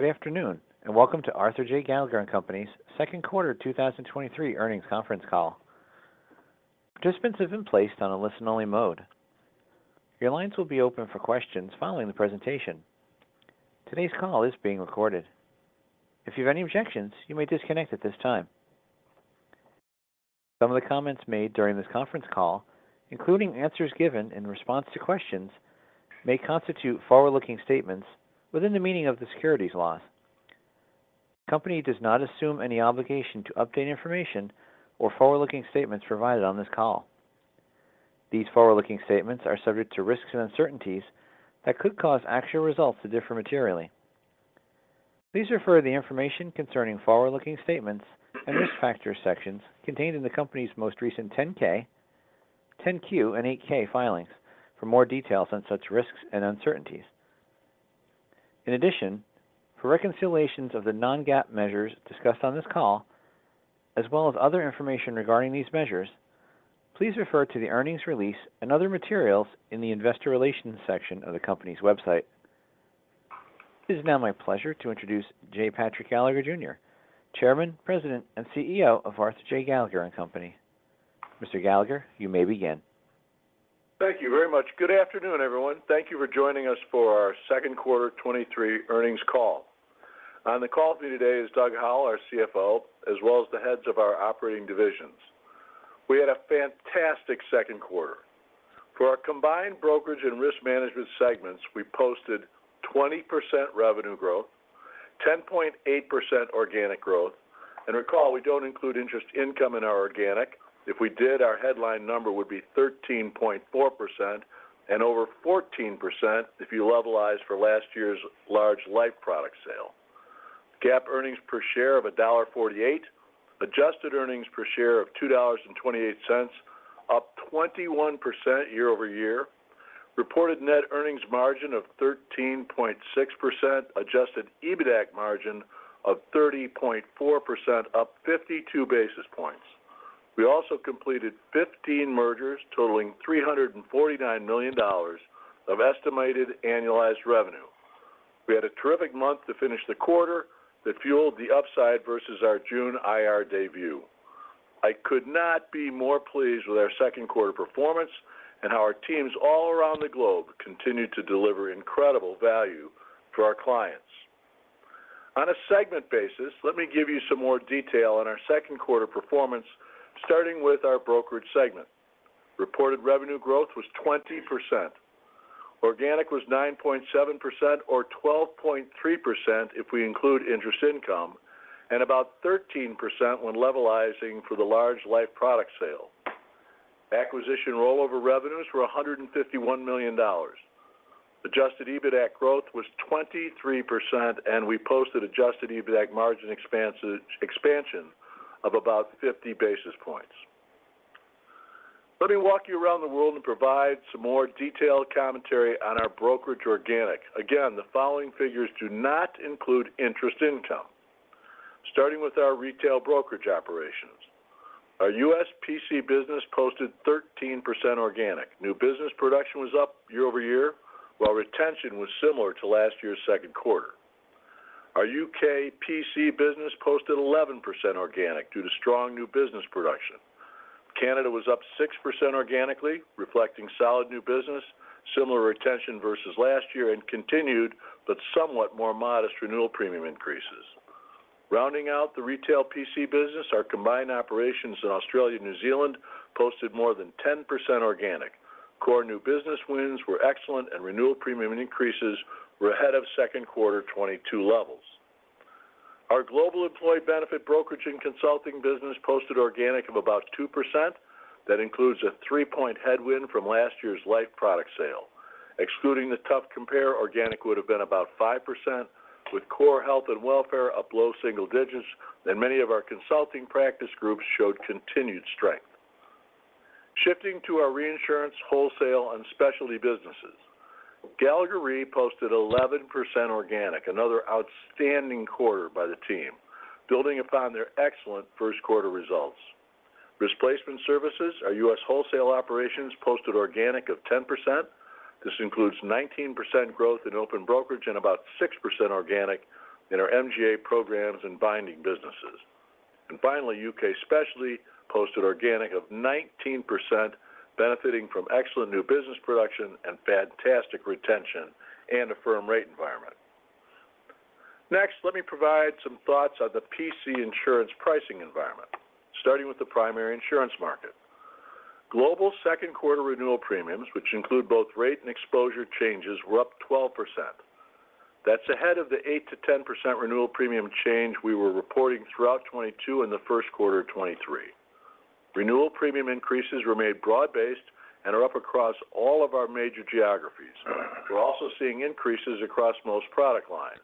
Good afternoon, and welcome to Arthur J. Gallagher & Co.'s second quarter of 2023 earnings conference call. Participants have been placed on a listen-only mode. Your lines will be open for questions following the presentation. Today's call is being recorded. If you have any objections, you may disconnect at this time. Some of the comments made during this conference call, including answers given in response to questions, may constitute forward-looking statements within the meaning of the securities laws. The company does not assume any obligation to update information or forward-looking statements provided on this call. These forward-looking statements are subject to risks and uncertainties that could cause actual results to differ materially. Please refer the information concerning forward-looking statements and risk factors sections contained in the company's most recent 10-K, 10-Q, and 8-K filings for more details on such risks and uncertainties. In addition, for reconciliations of the non-GAAP measures discussed on this call, as well as other information regarding these measures, please refer to the earnings release and other materials in the Investor Relations section of the company's website. It is now my pleasure to introduce J. Patrick Gallagher Jr., Chairman, President, and CEO of Arthur J. Gallagher & Company. Mr. Gallagher, you may begin. Thank you very much. Good afternoon, everyone. Thank you for joining us for our second quarter 2023 earnings call. On the call today is Doug Howell, our CFO, as well as the heads of our operating divisions. We had a fantastic second quarter. For our combined brokerage and risk management segments, we posted 20% revenue growth, 10.8% organic growth. Recall, we don't include interest income in our organic. If we did, our headline number would be 13.4% and over 14% if you levelize for last year's large life product sale. GAAP earnings per share of $1.48, adjusted earnings per share of $2.28, up 21% year-over-year. Reported net earnings margin of 13.6%, adjusted EBITDAC margin of 30.4%, up 52 basis points. We also completed 15 mergers, totaling $349 million of estimated annualized revenue. We had a terrific month to finish the quarter that fueled the upside versus our June IR Day. I could not be more pleased with our second quarter performance and how our teams all around the globe continue to deliver incredible value to our clients. On a segment basis, let me give you some more detail on our second quarter performance, starting with our brokerage segment. Reported revenue growth was 20%. Organic was 9.7% or 12.3% if we include interest income, and about 13% when levelizing for the large life product sale. Acquisition rollover revenues were $151 million. Adjusted EBITDAC growth was 23%, we posted adjusted EBITDAC margin expansion of about 50 basis points. Let me walk you around the world and provide some more detailed commentary on our brokerage organic. Again, the following figures do not include interest income. Starting with our retail brokerage operations, our U.S. PC business posted 13% organic. New business production was up year-over-year, while retention was similar to last year's second quarter. Our U.K. PC business posted 11% organic due to strong new business production. Canada was up 6% organically, reflecting solid new business, similar retention versus last year, and continued, but somewhat more modest renewal premium increases. Rounding out the retail PC business, our combined operations in Australia and New Zealand posted more than 10% organic. Core new business wins were excellent, and renewal premium increases were ahead of second quarter 2022 levels. Our global employee benefit brokerage and consulting business posted organic of about 2%. That includes a three-point headwind from last year's life product sale. Excluding the tough compare, organic would have been about 5%, with core health and welfare up low single digits, Many of our consulting practice groups showed continued strength. Shifting to our reinsurance, wholesale, and specialty businesses, Gallagher Re posted 11% organic, another outstanding quarter by the team, building upon their excellent first quarter results. Risk Placement Services, our US wholesale operations, posted organic of 10%. This includes 19% growth in open brokerage and about 6% organic in our MGA programs and binding businesses. Finally, U.K. Specialty posted organic of 19%, benefiting from excellent new business production and fantastic retention and a firm rate environment. Next, let me provide some thoughts on the PC insurance pricing environment, starting with the primary insurance market. Global second quarter renewal premiums, which include both rate and exposure changes, were up 12%. That's ahead of the 8%-10% renewal premium change we were reporting throughout 2022 in the first quarter of 2023. Renewal premium increases were made broad-based and are up across all of our major geographies. We're also seeing increases across most product lines.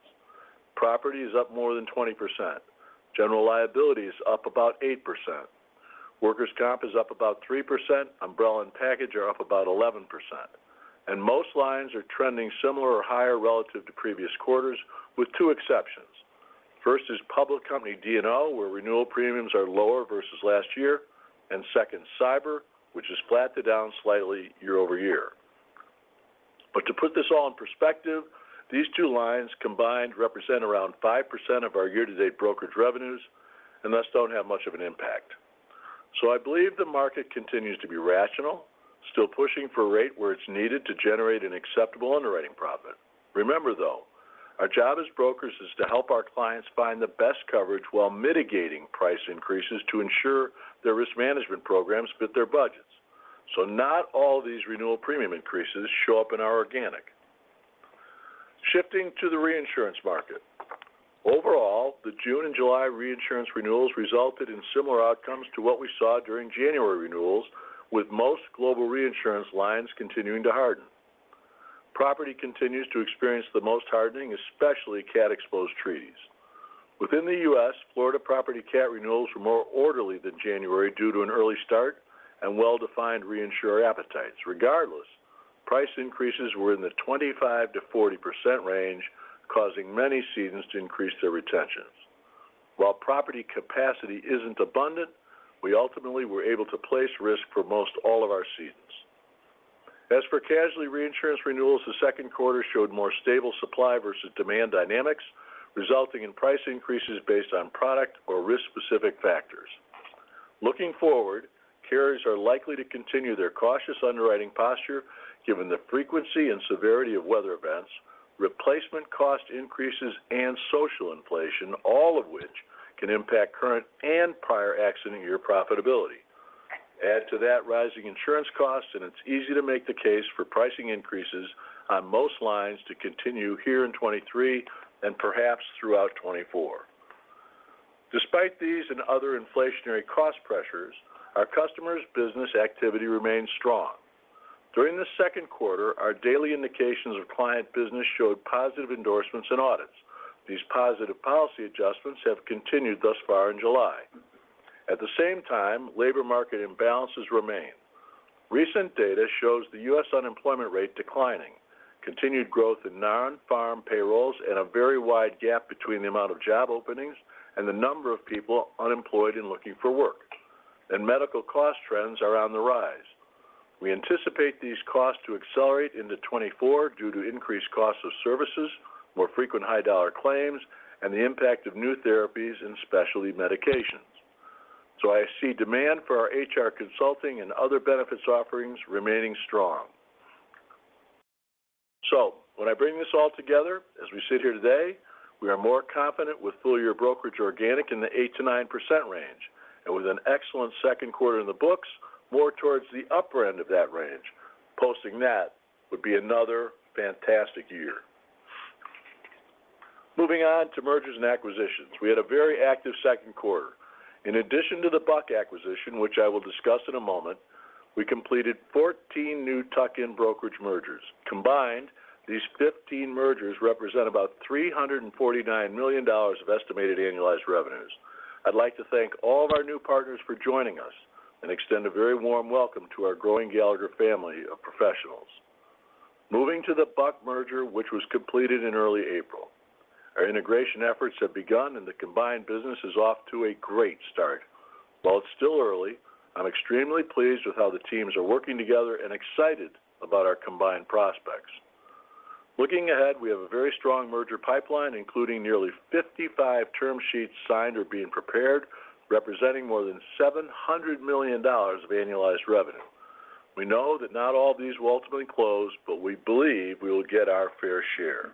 Property is up more than 20%. General liability is up about 8%. Workers' comp is up about 3%. Umbrella and package are up about 11%. Most lines are trending similar or higher relative to previous quarters, with two exceptions. First is public company D&O, where renewal premiums are lower versus last year, and second, cyber, which is flat to down slightly year-over-year. To put this all in perspective, these two lines combined represent around 5% of our year-to-date brokerage revenues, and thus don't have much of an impact. I believe the market continues to be rational, still pushing for a rate where it's needed to generate an acceptable underwriting profit. Remember, though, our job as brokers is to help our clients find the best coverage while mitigating price increases to ensure their risk management programs fit their budgets. Not all these renewal premium increases show up in our organic. Shifting to the reinsurance market. Overall, the June and July reinsurance renewals resulted in similar outcomes to what we saw during January renewals, with most global reinsurance lines continuing to harden. Property continues to experience the most hardening, especially cat-exposed treaties. Within the U.S., Florida property cat renewals were more orderly than January due to an early start and well-defined reinsurer appetites. Regardless, price increases were in the 25%-40% range, causing many cedants to increase their retentions. While property capacity isn't abundant, we ultimately were able to place risk for most all of our cedants. As for casualty reinsurance renewals, the second quarter showed more stable supply versus demand dynamics, resulting in price increases based on product or risk-specific factors. Looking forward, carriers are likely to continue their cautious underwriting posture, given the frequency and severity of weather events, replacement cost increases, and social inflation, all of which can impact current and prior accident year profitability. Add to that, rising insurance costs, and it's easy to make the case for pricing increases on most lines to continue here in 2023 and perhaps throughout 2024. Despite these and other inflationary cost pressures, our customers' business activity remains strong. During the second quarter, our daily indications of client business showed positive endorsements and audits. These positive policy adjustments have continued thus far in July. At the same time, labor market imbalances remain. Recent data shows the U.S. unemployment rate declining, continued growth in non-farm payrolls, and a very wide gap between the amount of job openings and the number of people unemployed and looking for work. Medical cost trends are on the rise. We anticipate these costs to accelerate into 2024 due to increased costs of services, more frequent high dollar claims, and the impact of new therapies and specialty medications. I see demand for our HR consulting and other benefits offerings remaining strong. When I bring this all together, as we sit here today, we are more confident with full year brokerage organic in the 8%-9% range, and with an excellent second quarter in the books, more towards the upper end of that range. Posting that would be another fantastic year. Moving on to mergers and acquisitions. We had a very active second quarter. In addition to the Buck acquisition, which I will discuss in a moment, we completed 14 new tuck-in brokerage mergers. Combined, these 15 mergers represent about $349 million of estimated annualized revenues. I'd like to thank all of our new partners for joining us and extend a very warm welcome to our growing Gallagher family of professionals. Moving to the Buck merger, which was completed in early April. Our integration efforts have begun. The combined business is off to a great start. While it's still early, I'm extremely pleased with how the teams are working together and excited about our combined prospects. Looking ahead, we have a very strong merger pipeline, including nearly 55 term sheets signed or being prepared, representing more than $700 million of annualized revenue. We know that not all of these will ultimately close. We believe we will get our fair share.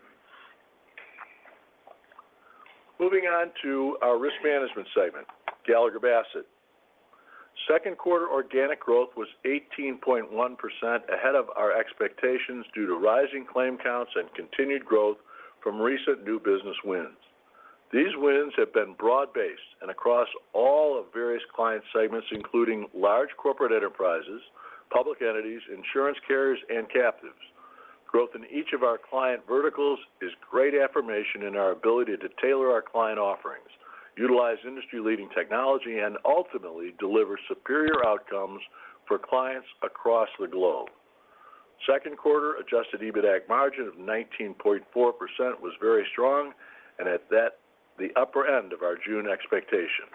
Moving on to our risk management segment, Gallagher Bassett. Second quarter organic growth was 18.1% ahead of our expectations due to rising claim counts and continued growth from recent new business wins. These wins have been broad-based and across all of various client segments, including large corporate enterprises, public entities, insurance carriers, and captives. Growth in each of our client verticals is great affirmation in our ability to tailor our client offerings, utilize industry-leading technology, and ultimately deliver superior outcomes for clients across the globe. second quarter adjusted EBITDAC margin of 19.4% was very strong and at that, the upper end of our June expectation.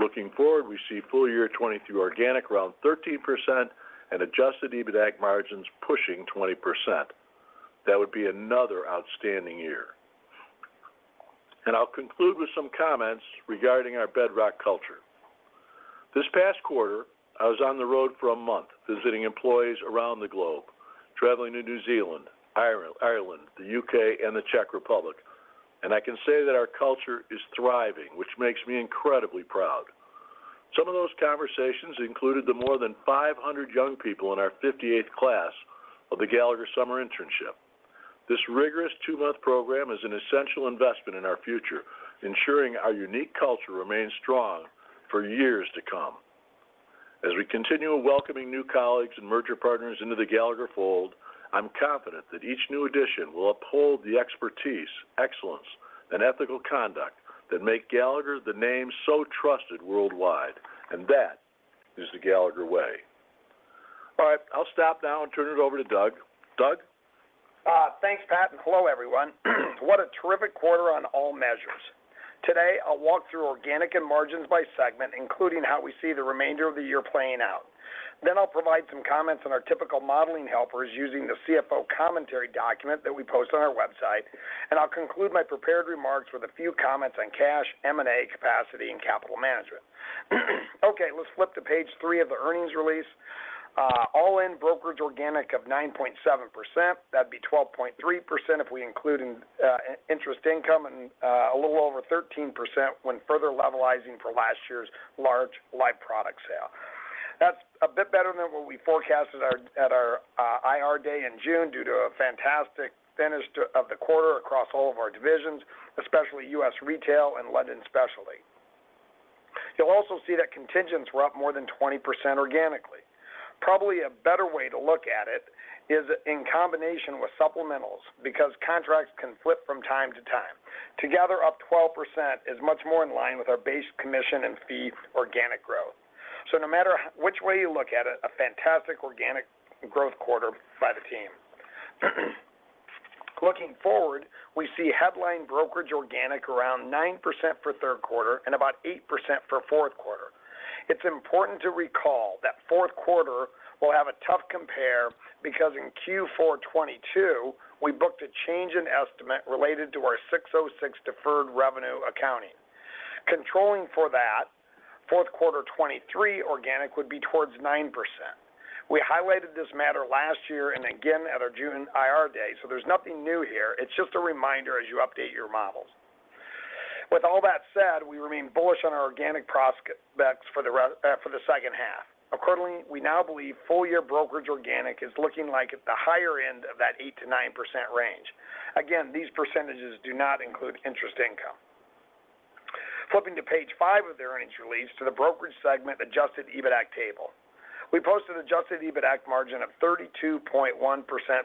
Looking forward, we see full year 2022 organic around 13% and adjusted EBITDAC margins pushing 20%. That would be another outstanding year. I'll conclude with some comments regarding our bedrock culture. This past quarter, I was on the road for a month, visiting employees around the globe, traveling to New Zealand, Ireland, the U.K., and the Czech Republic. I can say that our culture is thriving, which makes me incredibly proud. Some of those conversations included the more than 500 young people in our 58th class of the Gallagher Summer Internship. This rigorous two-month program is an essential investment in our future, ensuring our unique culture remains strong for years to come. As we continue welcoming new colleagues and merger partners into the Gallagher fold, I'm confident that each new addition will uphold the expertise, excellence, and ethical conduct that make Gallagher the name so trusted worldwide. That is the Gallagher way. All right, I'll stop now and turn it over to Doug. Doug? Thanks, Pat, and hello, everyone. What a terrific quarter on all measures! Today, I'll walk through organic and margins by segment, including how we see the remainder of the year playing out. I'll provide some comments on our typical modeling helpers using the CFO commentary document that we post on our website, and I'll conclude my prepared remarks with a few comments on cash, M&A capacity, and capital management. Let's flip to page 3 of the earnings release. All-in brokerage organic of 9.7%. That'd be 12.3% if we include interest income, and a little over 13% when further levelizing for last year's large life product sale. That's a bit better than what we forecasted at our IR Day in June, due to a fantastic finish of the quarter across all of our divisions, especially US Retail and London Specialty. You'll also see that contingents were up more than 20% organically. Probably a better way to look at it is in combination with supplementals, because contracts can flip from time to time. Together, up 12% is much more in line with our base commission and fee organic growth. No matter which way you look at it, a fantastic organic growth quarter by the team. Looking forward, we see headline brokerage organic around 9% for third quarter and about 8% for fourth quarter. It's important to recall that fourth quarter will have a tough compare because in Q4 2022, we booked a change in estimate related to our 606 deferred revenue accounting. Controlling for that, fourth quarter 2023 organic would be towards 9%. We highlighted this matter last year and again at our June IR Day, there's nothing new here. It's just a reminder as you update your models. With all that said, we remain bullish on our organic prospects for the second half. Accordingly, we now believe full-year brokerage organic is looking like at the higher end of that 8%-9% range. These percentages do not include interest income. Flipping to page 5 of the earnings release to the brokerage segment adjusted EBITDA table. We posted adjusted EBITDA margin of 32.1%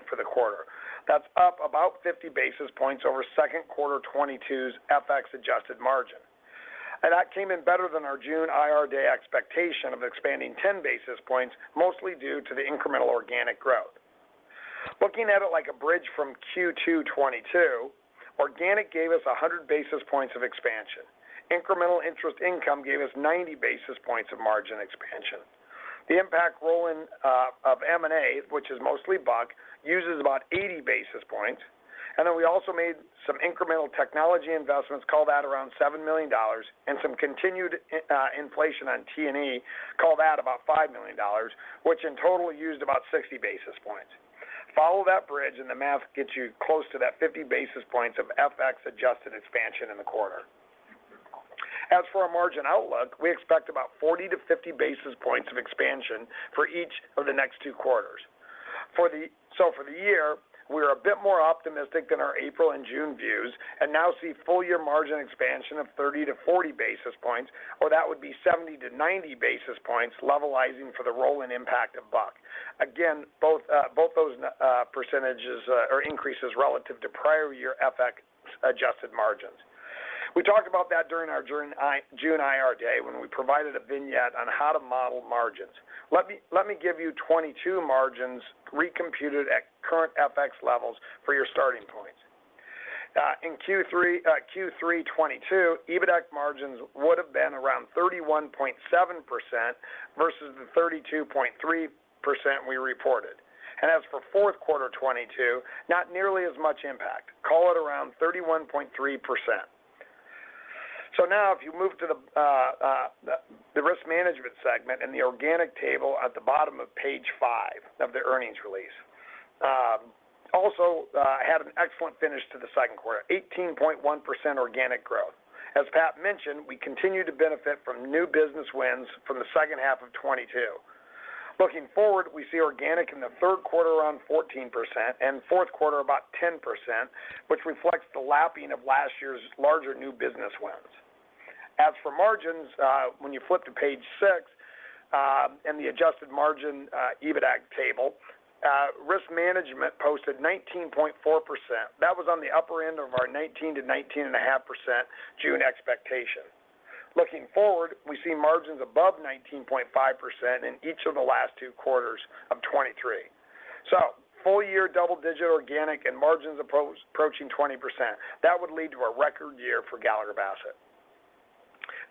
for the quarter. That's up about 50 basis points over second quarter 2022's FX adjusted margin. That came in better than our June IR Day expectation of expanding 10 basis points, mostly due to the incremental organic growth. Looking at it like a bridge from Q2 2022, organic gave us 100 basis points of expansion. Incremental interest income gave us 90 basis points of margin expansion. The impact roll-in of M&A, which is mostly Buck, uses about 80 basis points, and then we also made some incremental technology investments, call that around $7 million, and some continued inflation on T&E, call that about $5 million, which in total used about 60 basis points. Follow that bridge, the math gets you close to that 50 basis points of FX adjusted expansion in the quarter. As for our margin outlook, we expect about 40 to 50 basis points of expansion for each of the next two quarters. For the year, we are a bit more optimistic than our April and June views and now see full-year margin expansion of 30 to 40 basis points, or that would be 70 to 90 basis points, levelizing for the roll-in impact of Buck. Again, both those percentages are increases relative to prior year FX adjusted margins. We talked about that during our June IR Day when we provided a vignette on how to model margins. Let me give you 2022 margins recomputed at current FX levels for your starting points. In Q3, Q3 2022, EBITDA margins would have been around 31.7% versus the 32.3% we reported. As for fourth quarter 2022, not nearly as much impact. Call it around 31.3%. Now if you move to the risk management segment and the organic table at the bottom of page 5 of the earnings release. Also had an excellent finish to the second quarter, 18.1% organic growth. As Pat mentioned, we continue to benefit from new business wins for the second half of 2022. Looking forward, we see organic in the third quarter around 14% and fourth quarter about 10%, which reflects the lapping of last year's larger new business wins. As for margins, when you flip to page 6, and the adjusted margin, EBITDAC table, risk management posted 19.4%. That was on the upper end of our 19%-19.5% June expectation. Looking forward, we see margins above 19.5% in each of the last two quarters of 2023. Full-year double-digit organic and margins approaching 20%. That would lead to a record year for Gallagher Bassett.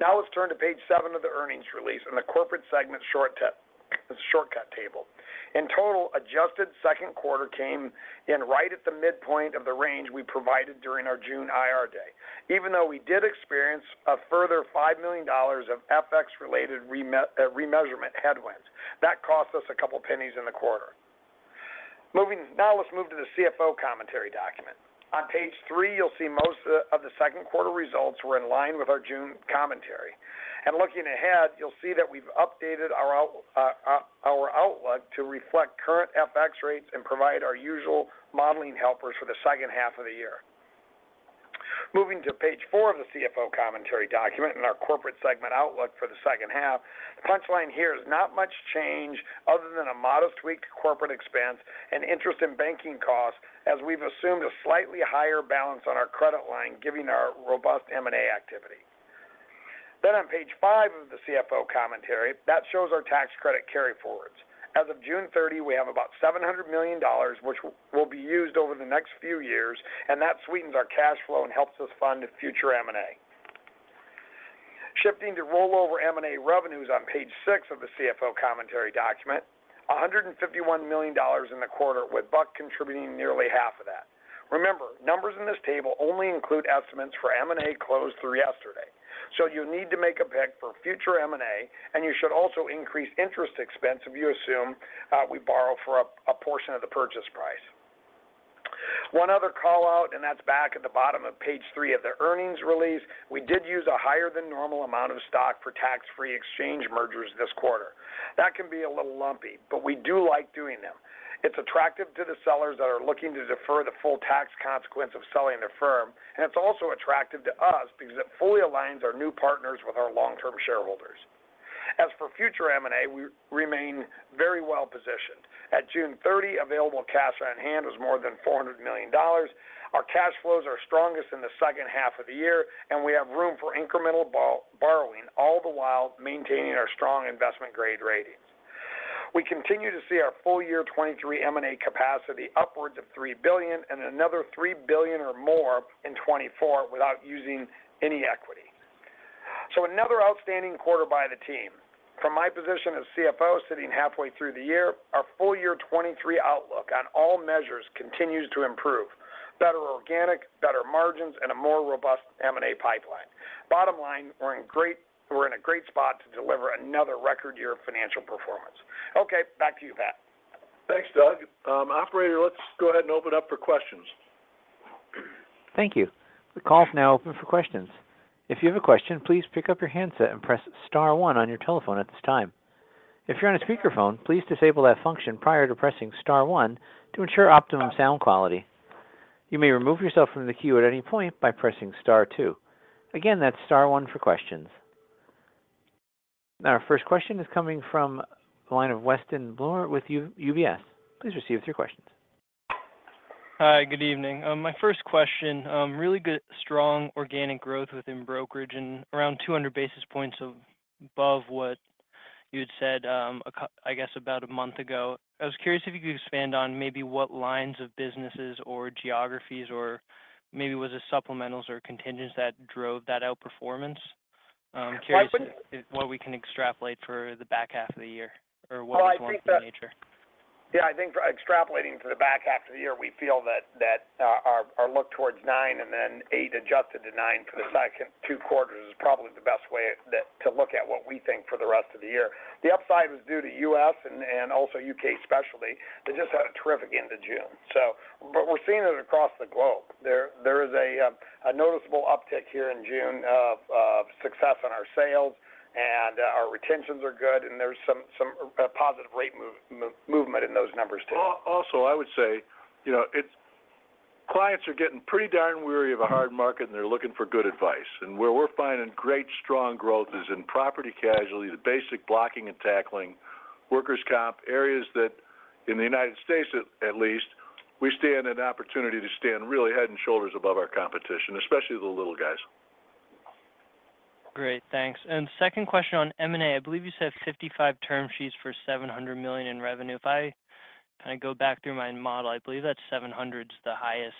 Let's turn to page 7 of the earnings release and the corporate segment shortcut table. In total, adjusted second quarter came in right at the midpoint of the range we provided during our June IR Day, even though we did experience a further $5 million of FX-related remeasurement headwinds. That cost us a couple pennies in the quarter. Let's move to the CFO commentary document. On page 3, you'll see most of the, of the second quarter results were in line with our June commentary. Looking ahead, you'll see that we've updated our outlook to reflect current FX rates and provide our usual modeling helpers for the second half of the year. Moving to page 4 of the CFO commentary document and our corporate segment outlook for the second half, the punchline here is not much change other than a modest tweak to corporate expense and interest in banking costs, as we've assumed a slightly higher balance on our credit line, given our robust M&A activity. On page 5 of the CFO commentary, that shows our tax credit carryforwards. As of June 30, we have about $700 million, which will be used over the next few years, and that sweetens our cash flow and helps us fund future M&A. Shifting to rollover M&A revenues on page six of the CFO commentary document, $151 million in the quarter, with Buck contributing nearly half of that. Remember, numbers in this table only include estimates for M&A closed through yesterday. You need to make a pick for future M&A, and you should also increase interest expense if you assume we borrow for a portion of the purchase price. One other call-out, and that's back at the bottom of page three of the earnings release. We did use a higher-than-normal amount of stock for tax-free exchange mergers this quarter. That can be a little lumpy, but we do like doing them. It's attractive to the sellers that are looking to defer the full tax consequence of selling their firm, and it's also attractive to us because it fully aligns our new partners with our long-term shareholders. As for future M&A, we remain very well-positioned. At June 30, available cash on hand was more than $400 million. Our cash flows are strongest in the second half of the year, and we have room for incremental borrowing, all the while maintaining our strong investment-grade ratings. We continue to see our full year 2023 M&A capacity upwards of $3 billion and another $3 billion or more in 2024 without using any equity. Another outstanding quarter by the team. From my position as CFO, sitting halfway through the year, our full year 2023 outlook on all measures continues to improve: better organic, better margins, and a more robust M&A pipeline. Bottom line, we're in great, we're in a great spot to deliver another record year of financial performance. Okay, back to you, Pat. Thanks, Doug. operator, let's go ahead and open up for questions. Thank you. The call is now open for questions. If you have a question, please pick up your handset and press star one on your telephone at this time. If you're on a speakerphone, please disable that function prior to pressing star one to ensure optimum sound quality. You may remove yourself from the queue at any point by pressing star two. Again, that's star one for questions. Our first question is coming from the line of Weston Bloomer with UBS. Please receive your questions. Hi, good evening. My first question, really good, strong organic growth within brokerage and around 200 basis points of above what you had said, I guess, about a month ago. I was curious if you could expand on maybe what lines of businesses or geographies or maybe was it supplementals or contingents that drove that outperformance? I. what we can extrapolate for the back half of the year or what is- Well, I think that. one nature? Yeah, I think for extrapolating to the back half of the year, we feel that, that, our, our look towards nine and then eight, adjusted to nine for the second two quarters is probably the best way that to look at what we think for the rest of the year. The upside was due to U.S. and, and also U.K. Specialty. They just had a terrific end of June. But we're seeing it across the globe. There, there is a noticeable uptick here in June of, of success on our sales, and our retentions are good, and there's some, some positive rate move, movement in those numbers, too. Also, I would say, you know, Clients are getting pretty darn weary of a hard market, and they're looking for good advice. Where we're finding great, strong growth is in property casualty, the basic blocking and tackling, workers' comp, areas that in the United States, at least, we stand an opportunity to stand really head and shoulders above our competition, especially the little guys. Great, thanks. Second question on M&A. I believe you said 55 term sheets for $700 million in revenue. If I go back through my model, I believe that $700's the highest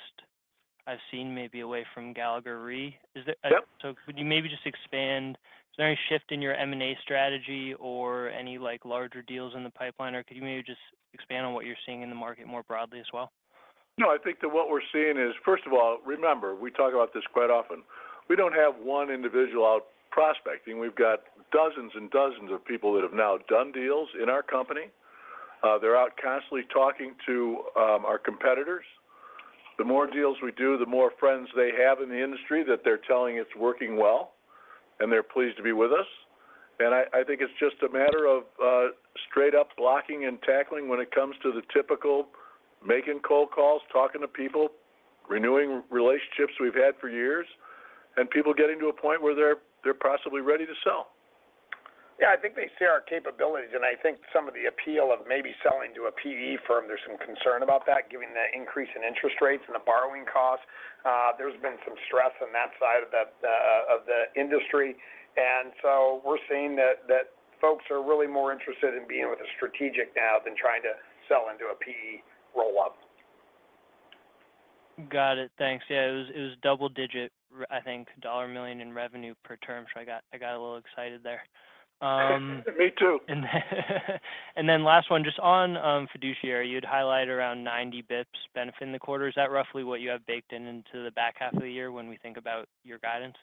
I've seen, maybe away from Gallagher Re. Is it- Yep. Could you maybe just expand? Is there any shift in your M&A strategy or any, like, larger deals in the pipeline? Could you maybe just expand on what you're seeing in the market more broadly as well? I think that what we're seeing is, first of all, remember, we talk about this quite often. We don't have one individual out prospecting. We've got dozens and dozens of people that have now done deals in our company. They're out constantly talking to our competitors. The more deals we do, the more friends they have in the industry that they're telling it's working well, and they're pleased to be with us. I, I think it's just a matter of straight-up blocking and tackling when it comes to the typical making cold calls, talking to people, renewing relationships we've had for years, and people getting to a point where they're, they're possibly ready to sell. Yeah, I think they see our capabilities, and I think some of the appeal of maybe selling to a PE firm, there's some concern about that, given the increase in interest rates and the borrowing costs. There's been some stress on that side of the, of the industry. So we're seeing that, that folks are really more interested in being with a strategic now than trying to sell into a PE roll-up. Got it. Thanks. Yeah, it was, it was double-digit, I think, dollar million in revenue per term. I got, I got a little excited there. Me too. Then last one, just on fiduciary. You'd highlight around 90 BPS benefit in the quarter. Is that roughly what you have baked into the back half of the year when we think about your guidance?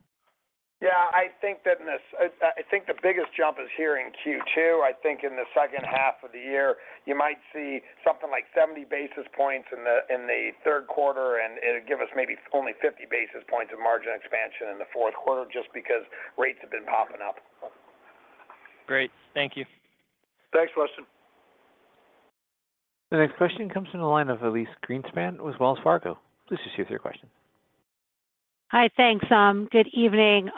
Yeah, I think the biggest jump is here in Q2. I think in the second half of the year, you might see something like 70 basis points in the third quarter, and it'll give us maybe only 50 basis points of margin expansion in the fourth quarter, just because rates have been popping up. Great. Thank you. Thanks, Weston. The next question comes from the line of Elyse Greenspan with Wells Fargo. Please proceed with your question. Hi, thanks. good evening.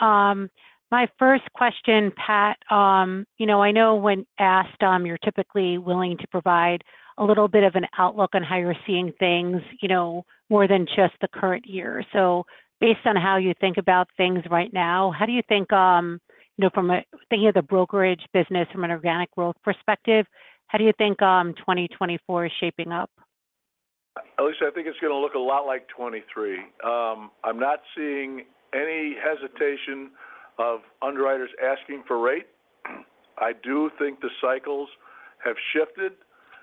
My first question, Pat, you know, I know when asked, you're typically willing to provide a little bit of an outlook on how you're seeing things, you know, more than just the current year. So based on how you think about things right now, how do you think,... you know, from a thinking of the brokerage business, from an organic growth perspective, how do you think, 2024 is shaping up? Elyse, I think it's going to look a lot like 2023. I'm not seeing any hesitation of underwriters asking for rate. I do think the cycles have shifted.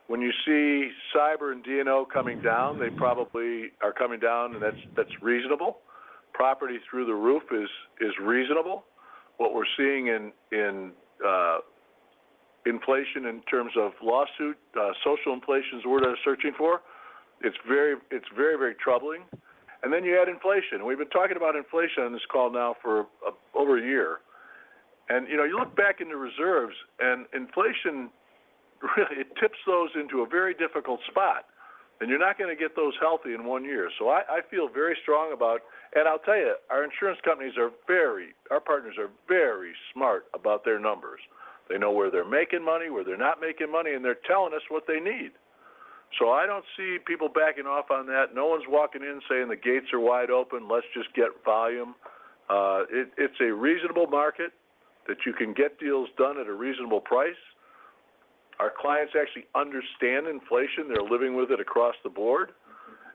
When you see cyber and D&O coming down, they probably are coming down, and that's, that's reasonable. Property through the roof is, is reasonable. What we're seeing in, in inflation in terms of lawsuit, social inflation is the word I was searching for. It's very, it's very, very troubling. Then you add inflation. We've been talking about inflation on this call now for a, over 1 year. You know, you look back in the reserves and inflation, really, it tips those into a very difficult spot, and you're not going to get those healthy in 1 year. I, I feel very strong about - and I'll tell you, our insurance companies are very... Our partners are very smart about their numbers. They know where they're making money, where they're not making money, and they're telling us what they need. I don't see people backing off on that. No one's walking in saying, "The gates are wide open, let's just get volume." It, it's a reasonable market that you can get deals done at a reasonable price. Our clients actually understand inflation. They're living with it across the board,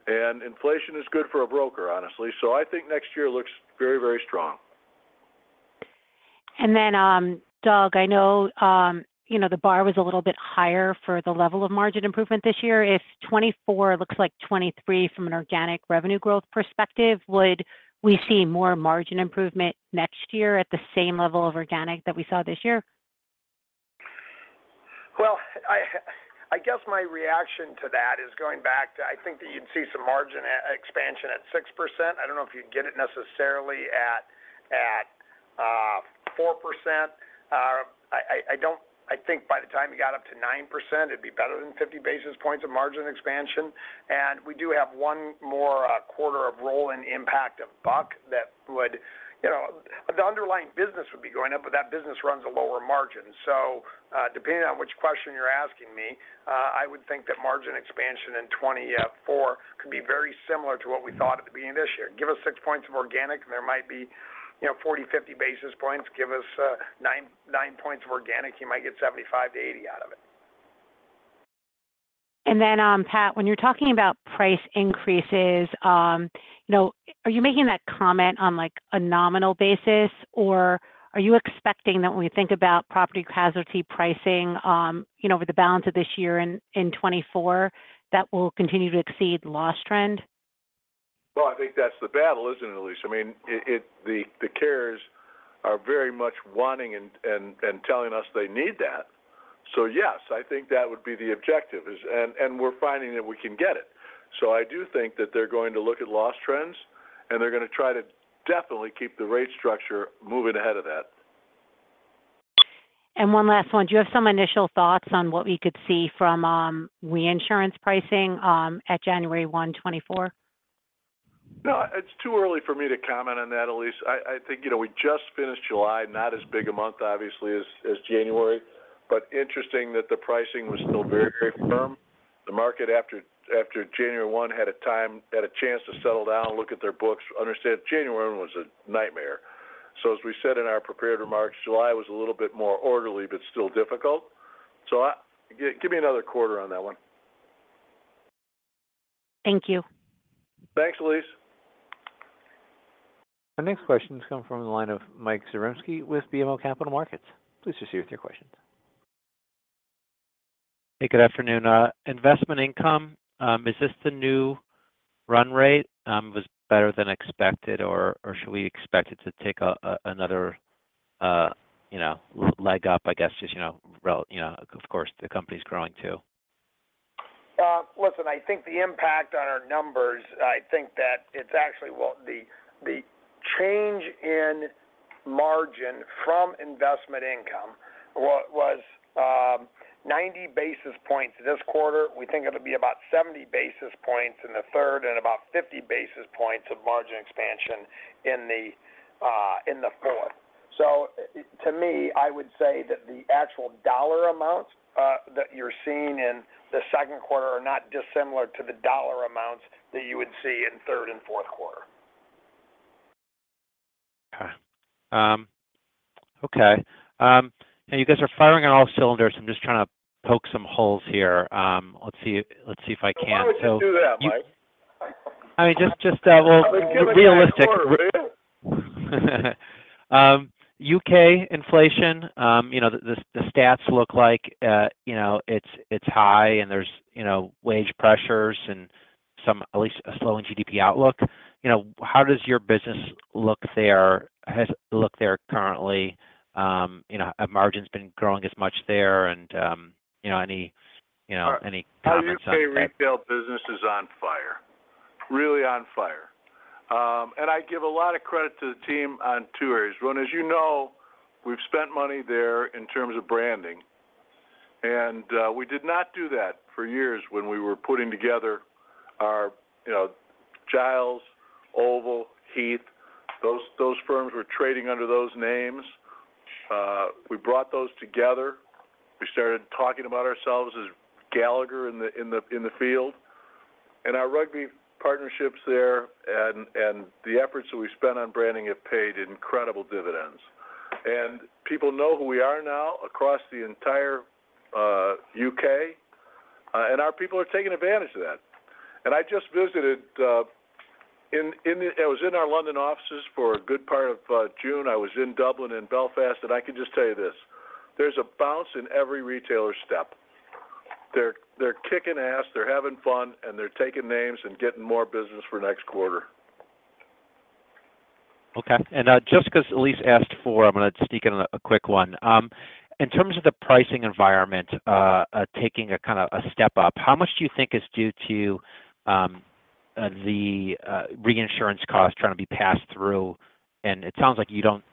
and inflation is good for a broker, honestly. I think next year looks very, very strong. Then, Doug, I know, you know, the bar was a little bit higher for the level of margin improvement this year. If 2024 looks like 2023 from an organic revenue growth perspective, would we see more margin improvement next year at the same level of organic that we saw this year? I, I guess my reaction to that is going back to, I think that you'd see some margin expansion at 6%. I don't know if you'd get it necessarily at, at 4%. I, I, I don't. I think by the time you got up to 9%, it'd be better than 50 basis points of margin expansion, and we do have one more quarter of roll-in impact of Buck that would, you know, the underlying business would be going up, but that business runs a lower margin. Depending on which question you're asking me, I would think that margin expansion in 2024 could be very similar to what we thought at the beginning of this year. Give us six points of organic, and there might be, you know, 40, 50 basis points. Give us nine, nine points of organic, you might get 75-80 out of it. Then, Pat, when you're talking about price increases, you know, are you making that comment on, like, a nominal basis? Or are you expecting that when we think about property casualty pricing, you know, over the balance of this year and in 2024, that will continue to exceed loss trend? Well, I think that's the battle, isn't it, Elyse? I mean, the carriers are very much wanting and telling us they need that. Yes, I think that would be the objective. We're finding that we can get it. I do think that they're going to look at loss trends, and they're going to try to definitely keep the rate structure moving ahead of that. One last one. Do you have some initial thoughts on what we could see from reinsurance pricing at January 1, 2024? No, it's too early for me to comment on that, Elyse. I think, you know, we just finished July, not as big a month, obviously, as January, but interesting that the pricing was still very, very firm. The market after January 1 had a chance to settle down and look at their books. Understand January 1 was a nightmare. As we said in our prepared remarks, July was a little bit more orderly, but still difficult. Give me another quarter on that one. Thank you. Thanks, Elyse. Our next question is coming from the line of Mike Zaremski with BMO Capital Markets. Please proceed with your questions. Hey, good afternoon. Investment income, is this the new run rate? It was better than expected, or, or should we expect it to take a, a, another, you know, leg up, I guess, just, you know, rel-- you know, of course, the company's growing, too? Listen, I think the impact on our numbers, I think that it's actually what the, the change in margin from investment income was 90 basis points this quarter. We think it'll be about 70 basis points in the third and about 50 basis points of margin expansion in the fourth. To me, I would say that the actual dollar amounts that you're seeing in the second quarter are not dissimilar to the dollar amounts that you would see in third and fourth quarter. Okay. Okay. Now you guys are firing on all cylinders. I'm just trying to poke some holes here. Let's see, let's see if I can- Well, why would you do that, Mike? I mean, just, just, well, realistic. Come and get more, will you? U.K. inflation, you know, the, the, the stats look like, you know, it's, it's high and there's, you know, wage pressures and some at least a slowing GDP outlook. You know, how does your business look there, look there currently? You know, have margins been growing as much there? You know, any, you know, any comments on that? How do you say retail business is on fire? Really on fire. I give a lot of credit to the team on two areas. One, as you know, we've spent money there in terms of branding, and we did not do that for years when we were putting together our, you know, Giles, Oval, Heath, those, those firms were trading under those names. We brought those together. We started talking about ourselves as Gallagher in the, in the, in the field... our rugby partnerships there and, and the efforts that we spent on branding have paid incredible dividends. People know who we are now across the entire U.K., and our people are taking advantage of that. I just visited, I was in our London offices for a good part of June. I was in Dublin and Belfast. I can just tell you this: there's a bounce in every retailer's step. They're kicking ass, they're having fun, and they're taking names and getting more business for next quarter. Okay. Just because Elyse Greenspan asked for, I'm going to sneak in a quick one. In terms of the pricing environment, taking a kind of a step up, how much do you think is due to the reinsurance cost trying to be passed through? It sounds like you don't--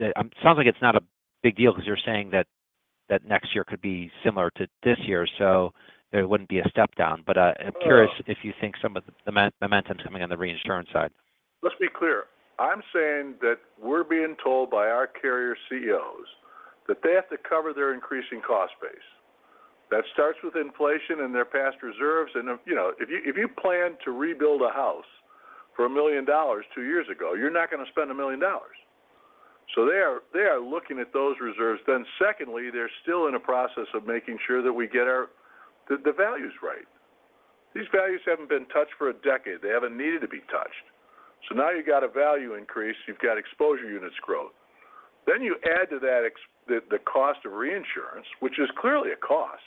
it sounds like it's not a big deal because you're saying that next year could be similar to this year, so there wouldn't be a step down. I'm curious if you think some of the momentum is coming on the reinsurance side. Let's be clear. I'm saying that we're being told by our carrier CEOs that they have to cover their increasing cost base. That starts with inflation and their past reserves, you know, if you, if you plan to rebuild a house for $1 million 2 years ago, you're not going to spend $1 million. They are, they are looking at those reserves. Secondly, they're still in the process of making sure that we get the, the values right. These values haven't been touched for a decade. They haven't needed to be touched. Now you've got a value increase, you've got exposure units growth. You add to that the, the cost of reinsurance, which is clearly a cost.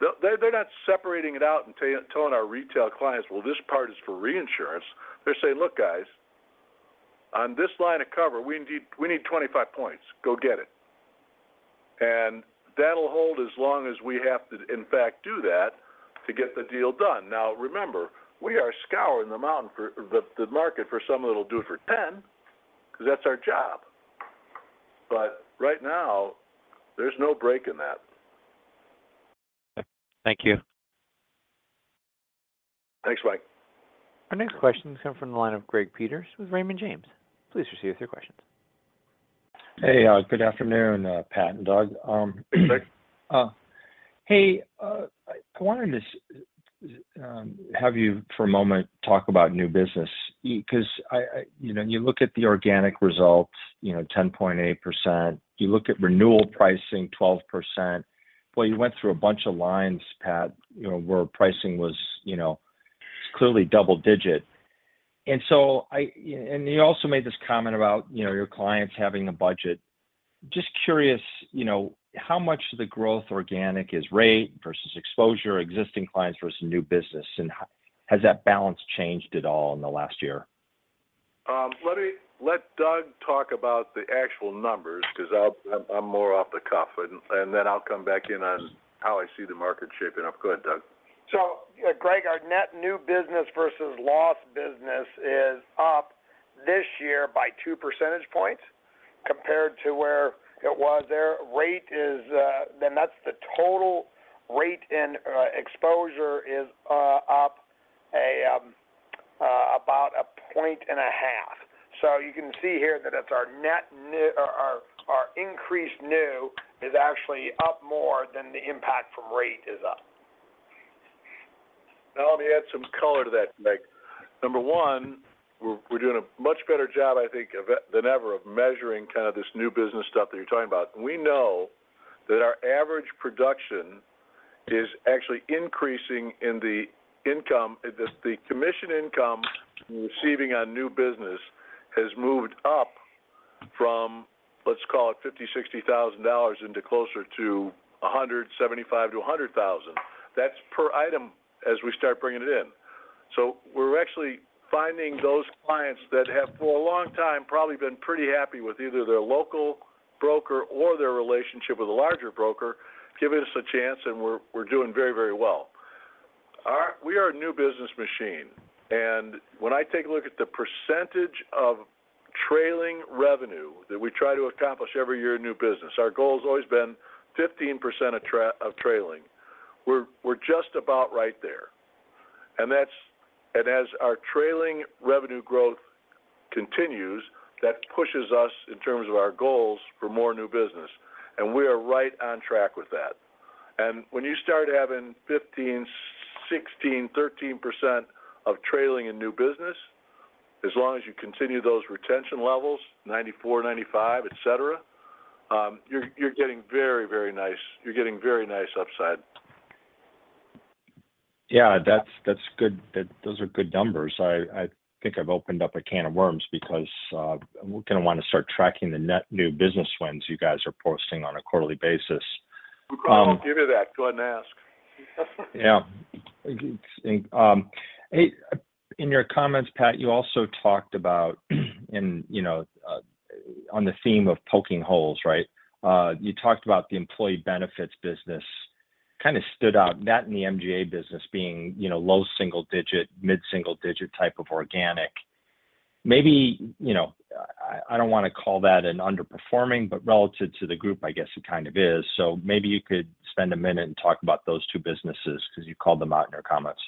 They're, they're not separating it out and telling our retail clients, "Well, this part is for reinsurance." They're saying, "Look, guys, on this line of cover, we need, we need 25 points. Go get it." That'll hold as long as we have to, in fact, do that to get the deal done. Now, remember, we are scouring the mountain for the market for someone that'll do it for 10, because that's our job. Right now, there's no break in that. Thank you. Thanks, Mike. Our next question comes from the line of Greg Peters with Raymond James. Please proceed with your questions. Hey, good afternoon, Pat and Doug. Hey, Greg. Hey, I wanted to have you for a moment talk about new business. You know, you look at the organic results, you know, 10.8%. You look at renewal pricing, 12%. Well, you went through a bunch of lines, Pat, you know, where pricing was, you know, clearly double digit. So I, and you also made this comment about, you know, your clients having a budget. Just curious, you know, how much of the growth organic is rate versus exposure, existing clients versus new business, and has that balance changed at all in the last year? Let me let Doug talk about the actual numbers, because I'm, I'm more off the cuff, and, and then I'll come back in on how I see the market shaping up. Go ahead, Doug. Greg, our net new business versus lost business is up this year by two percentage points compared to where it was. Their rate is, and that's the total rate and exposure is up about 1.5 points. You can see here that Our increased new is actually up more than the impact from rate is up. Now, let me add some color to that, Greg. Number 1, we're doing a much better job, I think, of that than ever of measuring kind of this new business stuff that you're talking about. We know that our average production is actually increasing in the income, the commission income receiving on new business has moved up from, let's call it $50,000-$60,000 into closer to $175-$100,000. That's per item as we start bringing it in. We're actually finding those clients that have, for a long time, probably been pretty happy with either their local broker or their relationship with a larger broker, giving us a chance, and we're doing very, very well. We are a new business machine, and when I take a look at the percentage of trailing revenue that we try to accomplish every year in new business, our goal has always been 15% of trailing. We're, we're just about right there. As our trailing revenue growth continues, that pushes us, in terms of our goals, for more new business, and we are right on track with that. When you start having 15%, 16%, 13% of trailing in new business, as long as you continue those retention levels, 94%, 95%, et cetera, you're, you're getting very nice upside. Yeah, that's, that's good. Those are good numbers. I, I think I've opened up a can of worms because we're going to want to start tracking the net new business wins you guys are posting on a quarterly basis. We'll give you that. Go ahead and ask. Yeah. Hey, in your comments, Pat, you also talked about, and, you know, on the theme of poking holes, right? You talked about the employee benefits business. Kind of stood out, that and the MGA business being, you know, low single digit, mid single digit type of organic. Maybe, you know, I, I don't want to call that an underperforming, but relative to the group, I guess it kind of is. Maybe you could spend a minute and talk about those two businesses because you called them out in your comments.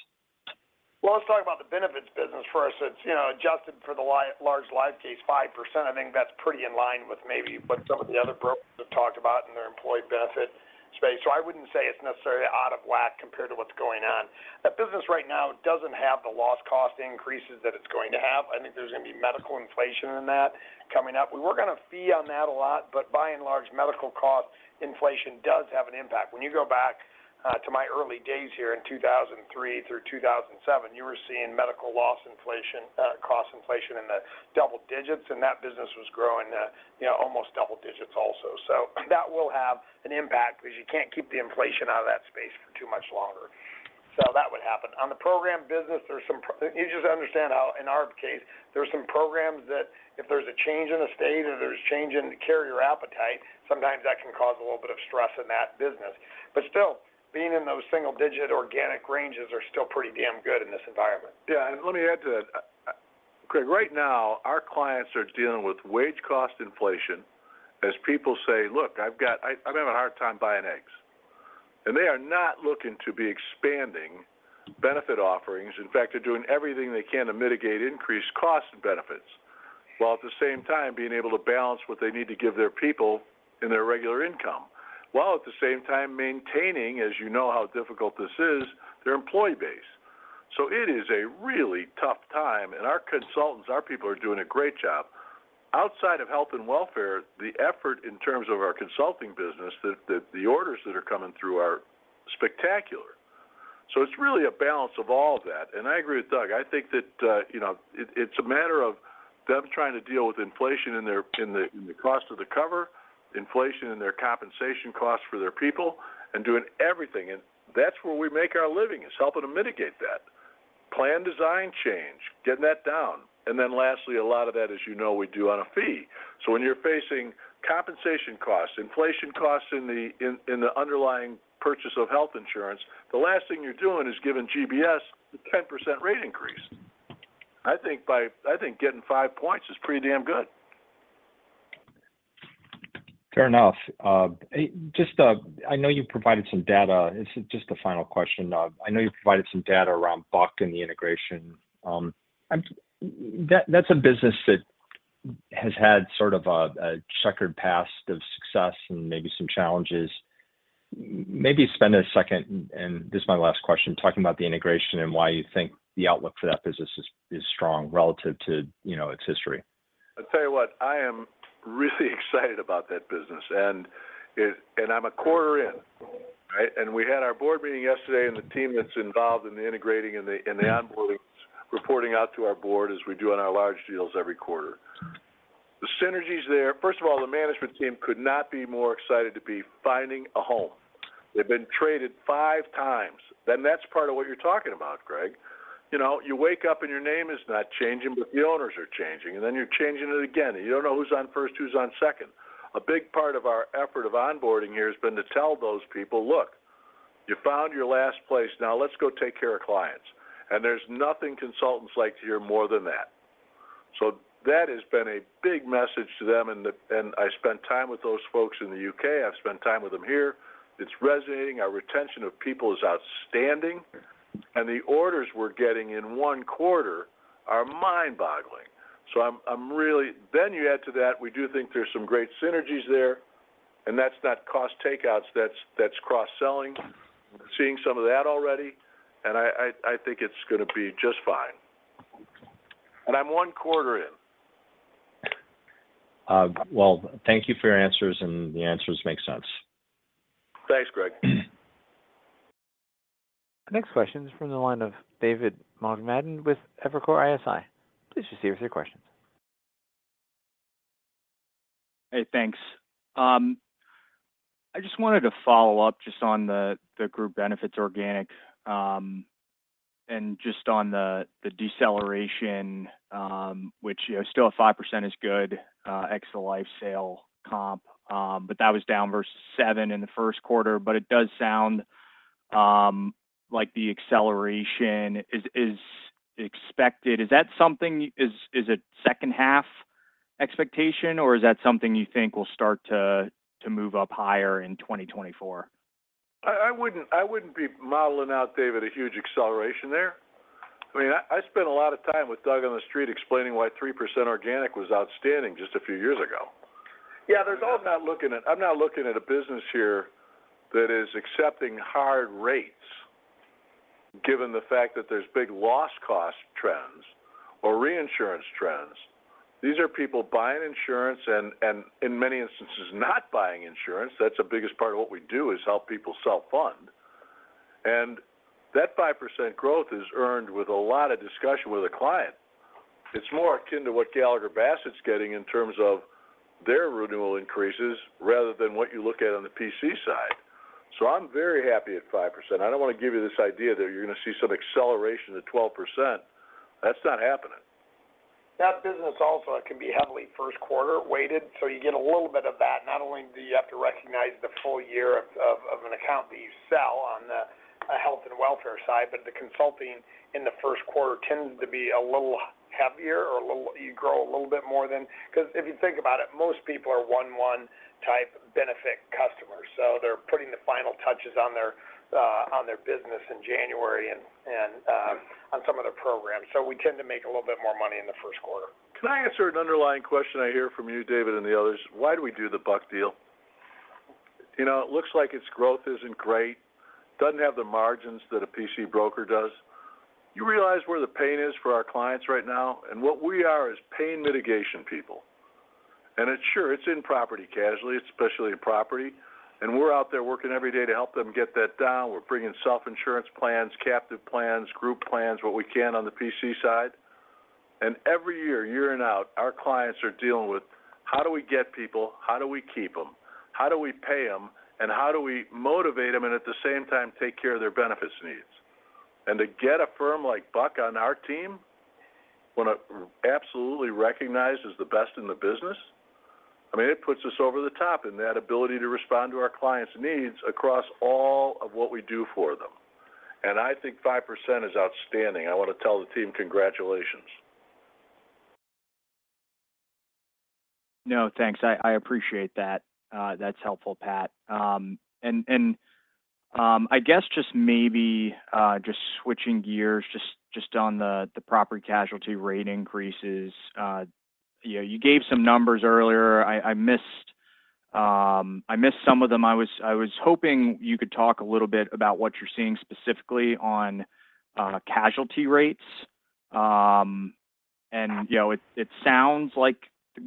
Well, let's talk about the benefits business first. It's, you know, adjusted for the large life case, 5%, I think that's pretty in line with maybe what some of the other brokers have talked about in their employee benefit space. I wouldn't say it's necessarily out of whack compared to what's going on. That business right now doesn't have the loss cost increases that it's going to have. I think there's gonna be medical inflation in that coming up. We work on a fee on that a lot, but by and large, medical cost inflation does have an impact. When you go back to my early days here in 2003 through 2007, you were seeing medical loss inflation, cost inflation in the double digits, and that business was growing, you know, almost double digits also. That will have an impact because you can't keep the inflation out of that space for too much longer. That would happen. On the program business, there's some you just understand how in our case, there are some programs that if there's a change in the state or there's a change in the carrier appetite, sometimes that can cause a little bit of stress in that business. Still, being in those single-digit organic ranges are still pretty damn good in this environment. Yeah, let me add to that. Greg, right now, our clients are dealing with wage cost inflation, as people say, "Look, I'm having a hard time buying eggs." They are not looking to be expanding benefit offerings. In fact, they're doing everything they can to mitigate increased costs and benefits, while at the same time being able to balance what they need to give their people in their regular income, while at the same time maintaining, as you know how difficult this is, their employee base. It is a really tough time, and our consultants, our people are doing a great job. Outside of health and welfare, the effort in terms of our consulting business, the, the, the orders that are coming through are spectacular. It's really a balance of all of that. I agree with Doug. I think that, you know, it, it's a matter of them trying to deal with inflation in their, in the, in the cost of the cover, inflation in their compensation costs for their people, and doing everything. That's where we make our living, is helping to mitigate that. Plan design change, getting that down. Lastly, a lot of that, as you know, we do on a fee. When you're facing compensation costs, inflation costs in the, in, in the underlying purchase of health insurance, the last thing you're doing is giving GBS a 10% rate increase. I think getting five points is pretty damn good. Fair enough. just, I know you've provided some data. This is just a final question. I know you've provided some data around Buck and the integration. That's a business that has had sort of a, a checkered past of success and maybe some challenges. Maybe spend a second, and this is my last question, talking about the integration and why you think the outlook for that business is, is strong relative to, you know, its history. I'll tell you what, I am really excited about that business, and I'm a quarter in, right? We had our board meeting yesterday, and the team that's involved in the integrating and the onboarding, reporting out to our board as we do on our large deals every quarter. The synergies there, first of all, the management team could not be more excited to be finding a home. They've been traded five times, that's part of what you're talking about, Greg. You know, you wake up and your name is not changing, but the owners are changing, then you're changing it again, and you don't know who's on first, who's on second. A big part of our effort of onboarding here has been to tell those people, "Look, you found your last place. Now let's go take care of clients." There's nothing consultants like to hear more than that. That has been a big message to them, and I spent time with those folks in the U.K.. I've spent time with them here. It's resonating. Our retention of people is outstanding, and the orders we're getting in one quarter are mind-boggling. I'm, I'm really. You add to that, we do think there's some great synergies there, and that's not cost takeouts, that's, that's cross-selling. Seeing some of that already, I, I, I think it's gonna be just fine. I'm one quarter in. Well, thank you for your answers, the answers make sense. Thanks, Greg. Next question is from the line of David Motemaden with Evercore ISI. Please proceed with your questions. Hey, thanks. I just wanted to follow up just on the, the group benefits organic, and just on the, the deceleration, which, you know, still a 5% is good, ex the life sale comp, but that was down versus 7% in the first quarter. It does sound, like the acceleration is, is expected. Is it second half expectation, or is that something you think will start to, to move up higher in 2024? I, I wouldn't, I wouldn't be modeling out, David, a huge acceleration there. I mean, I, I spent a lot of time with Doug on the street explaining why 3% organic was outstanding just a few years ago. Yeah. I'm not looking at a business here that is accepting hard rates, given the fact that there's big loss cost trends or reinsurance trends. These are people buying insurance and, and in many instances, not buying insurance. That's the biggest part of what we do, is help people self-fund. That 5% growth is earned with a lot of discussion with a client. It's more akin to what Gallagher Bassett's getting in terms of their renewal increases rather than what you look at on the PC side. I'm very happy at 5%. I don't want to give you this idea that you're going to see some acceleration to 12%. That's not happening. That business also can be heavily first quarter weighted, you get a little bit of that. Not only do you have to recognize the full year of, of, of an account that you sell on the health and welfare side, the consulting in the first quarter tends to be a little heavier or you grow a little bit more than. Because if you think about it, most people are one-one type benefit customers, they're putting the final touches on their business in January and on some of their programs. We tend to make a little bit more money in the first quarter. Can I answer an underlying question I hear from you, David, and the others? Why do we do the Buck deal? You know, it looks like its growth isn't great, doesn't have the margins that a PC broker does. You realize where the pain is for our clients right now? What we are is pain mitigation people. It's sure, it's in property casualty, especially in property, and we're out there working every day to help them get that down. We're bringing self-insurance plans, captive plans, group plans, what we can on the PC side. Every year, year in, out, our clients are dealing with: how do we get people? How do we keep them? How do we pay them, and how do we motivate them, and at the same time, take care of their benefits needs? To get a firm like Buck on our team, when it absolutely recognized as the best in the business, I mean, it puts us over the top in that ability to respond to our clients' needs across all of what we do for them. I think 5% is outstanding. I want to tell the team congratulations. No, thanks. I, I appreciate that. That's helpful, Pat. I guess just maybe switching gears, just on the property casualty rate increases. You know, you gave some numbers earlier. I, I missed, I missed some of them. I was hoping you could talk a little bit about what you're seeing specifically on casualty rates. You know, it sounds like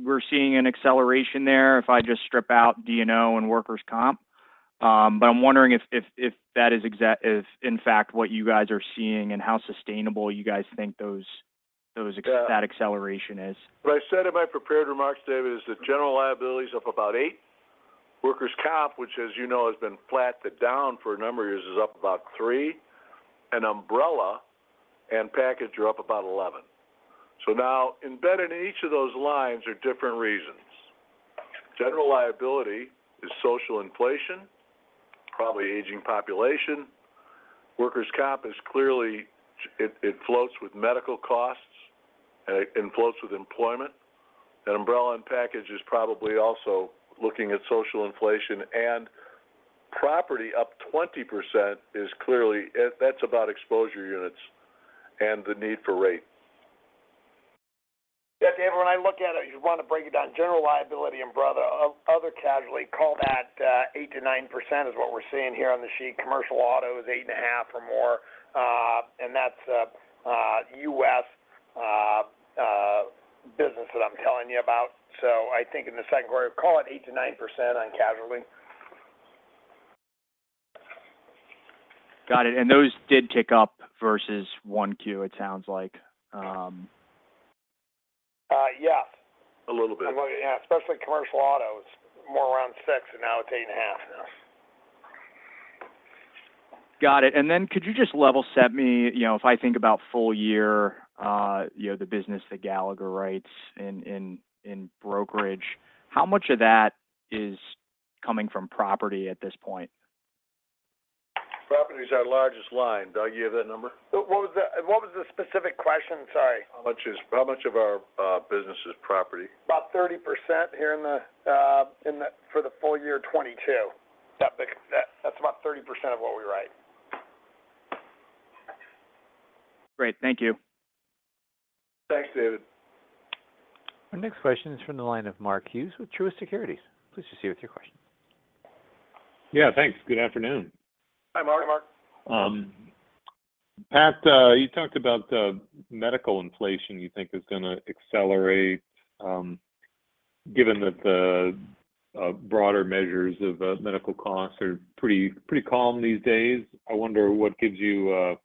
we're seeing an acceleration there if I just strip out DNO and workers' comp. I'm wondering if that is exac- if in fact, what you guys are seeing and how sustainable you guys think those, those- Yeah... that acceleration is. What I said in my prepared remarks, David, is the general liability is up about 8%. Workers' comp, which, as you know, has been flat to down for a number of years, is up about 3%. Umbrella and package are up about 11%. Now, embedded in each of those lines are different reasons. General liability is social inflation, probably aging population. Workers' comp is clearly, it, it floats with medical costs and floats with employment. Umbrella and package is probably also looking at social inflation. Property up 20% is clearly, that's about exposure units and the need for rate. Yeah, David, when I look at it, you want to break it down. General liability and other casualty, call that 8%-9% is what we're seeing here on the sheet. Commercial auto is 8.5% or more, and that's US business that I'm telling you about. I think in the second quarter, call it 8%-9% on casualty. Got it. Those did tick up versus one, two, it sounds like. Yes. A little bit. Yeah, especially commercial auto. It's more around 6, and now it's 8.5. Got it. Then could you just level set me, you know, if I think about full year, you know, the business that Gallagher writes in, in, in brokerage, how much of that is coming from property at this point? Property is our largest line. Doug, do you have that number? What was the, what was the specific question? Sorry. How much how much of our business is property? About 30% here for the full year 2022. That's about 30% of what we write. Great. Thank you. Thanks, David. Our next question is from the line of Mark Hughes with Truist Securities. Please just see with your question. Yeah, thanks. Good afternoon. Hi, Mark. Mark. Pat, you talked about medical inflation you think is going to accelerate, given that the broader measures of medical costs are pretty, pretty calm these days. I wonder what gives you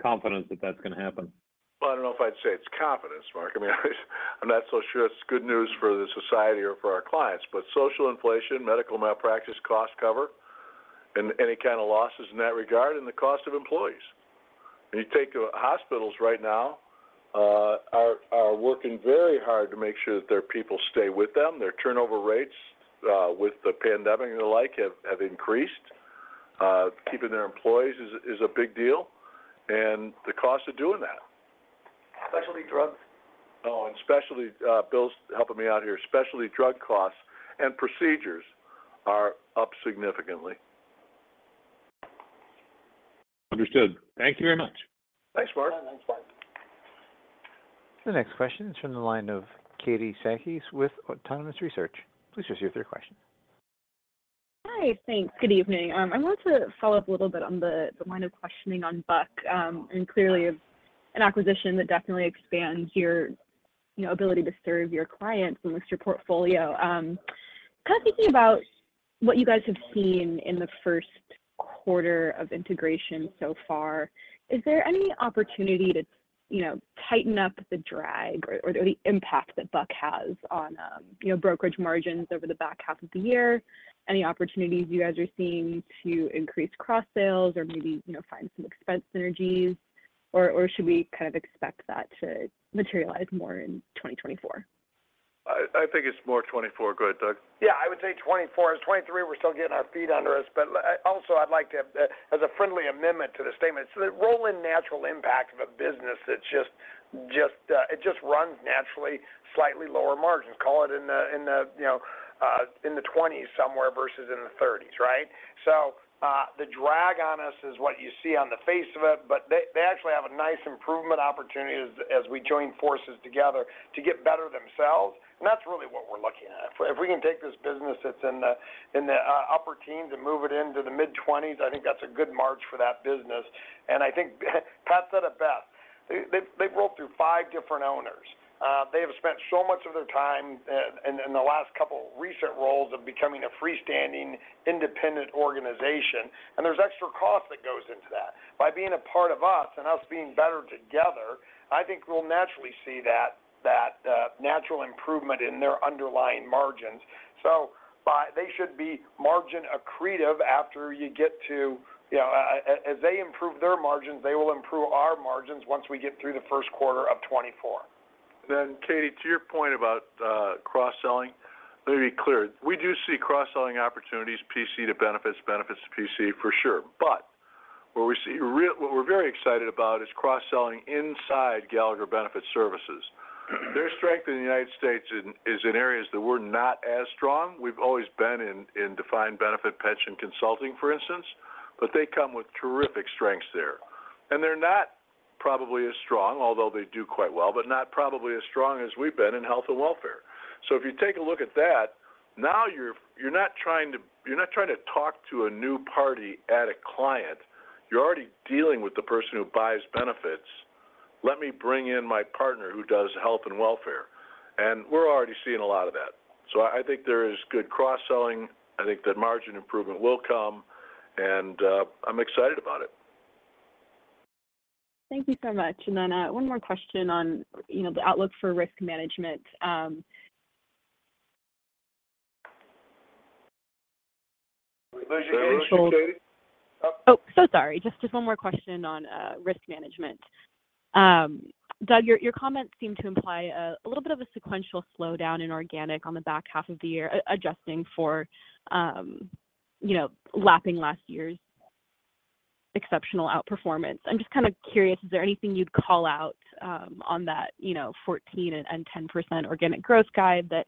confidence that that's going to happen? Well, I don't know if I'd say it's confidence, Mark. I mean, I'm not so sure it's good news for the society or for our clients, but social inflation, medical malpractice, cost cover, and any kind of losses in that regard, and the cost of employees. When you take to hospitals right now, are working very hard to make sure that their people stay with them. Their turnover rates, with the pandemic and the like, have increased. Keeping their employees is a big deal, and the cost of doing that. Specialty drugs. Oh, and specialty, Bill's helping me out here. Specialty drug costs and procedures are up significantly. Understood. Thank you very much. Thanks, Mark. Yeah, thanks, Mark. The next question is from the line of Katie Sakys with Autonomous Research. Please just hear with your question. Hi, thanks. Good evening. I want to follow up a little bit on the, the line of questioning on Buck, and clearly an acquisition that definitely expands your, you know, ability to serve your clients and with your portfolio. Kind of thinking about what you guys have seen in the first quarter of integration so far, is there any opportunity to, you know, tighten up the drag or, or the impact that Buck has on, you know, brokerage margins over the back half of the year? Any opportunities you guys are seeing to increase cross sales or maybe, you know, find some expense synergies, or, or should we kind of expect that to materialize more in 2024? I think it's more 2024. Go ahead, Doug. Yeah, I would say 2024. As 2023, we're still getting our feet under us. Also, I'd like to have the, as a friendly amendment to the statement, the role in natural impact of a business that's it runs naturally slightly lower margins. Call it in` the, in the, you know, in the 20s somewhere versus in the 30s, right? The drag on us is what you see on the face of it, but they, they actually have a nice improvement opportunity as we join forces together to get better themselves, and that's really what we're looking at. If we can take this business that's in the, in the, upper teen``s and move it into the mid-20s, I think that's a good margin for that business. I think Pat said it best. They've went through five different owners. They have spent so much of their time in the last couple recent roles of becoming a freestanding, independent organization, and there's extra cost that goes into that. By being a part of us and us being better together, I think we'll naturally see that natural improvement in their underlying margins. They should be margin accretive after you get to, you know, as they improve their margins, they will improve our margins once we get through the first quarter of 2024. Katie, to your point about cross-selling, let me be clear. We do see cross-selling opportunities, PC to benefits, benefits to PC, for sure. What we're very excited about is cross-selling inside Gallagher Benefit Services. Their strength in the United States is in areas that we're not as strong. We've always been in defined benefit pension consulting, for instance, but they come with terrific strengths there. They're not probably as strong, although they do quite well, but not probably as strong as we've been in health and welfare. If you take a look at that, now you're not trying to talk to a new party at a client, you're already dealing with the person who buys benefits. Let me bring in my partner who does health and welfare, and we're already seeing a lot of that. I think there is good cross-selling. I think that margin improvement will come, and I'm excited about it. Thank you so much. One more question on, you know, the outlook for risk management? Go ahead, Katie. Oh, so sorry. Just, just one more question on risk management. Doug, your, your comments seem to imply a, a little bit of a sequential slowdown in organic on the back half of the year, adjusting for, you know, lapping last year's exceptional outperformance. I'm just kind of curious, is there anything you'd call out on that, you know, 14% and 10% organic growth guide that,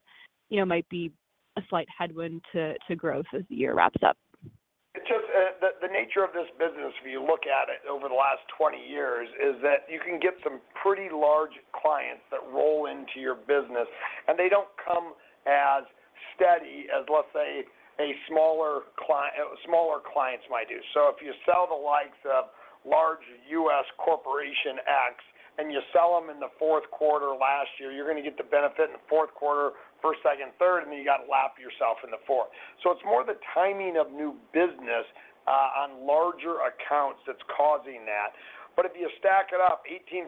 you know, might be a slight headwind to, to growth as the year wraps up? It's just the nature of this business, if you look at it over the last 20 years, is that you can get some pretty large clients that roll into your business, and they don't come as steady as, let's say, a smaller smaller clients might do. If you sell the likes of large U.S. corporation X, and you sell them in the fourth quarter last year, you're going to get the benefit in the fourth quarter, first, second, third, and then you got to lap yourself in the fourth. It's more the timing of new business on larger accounts that's causing that. If you stack it up 18%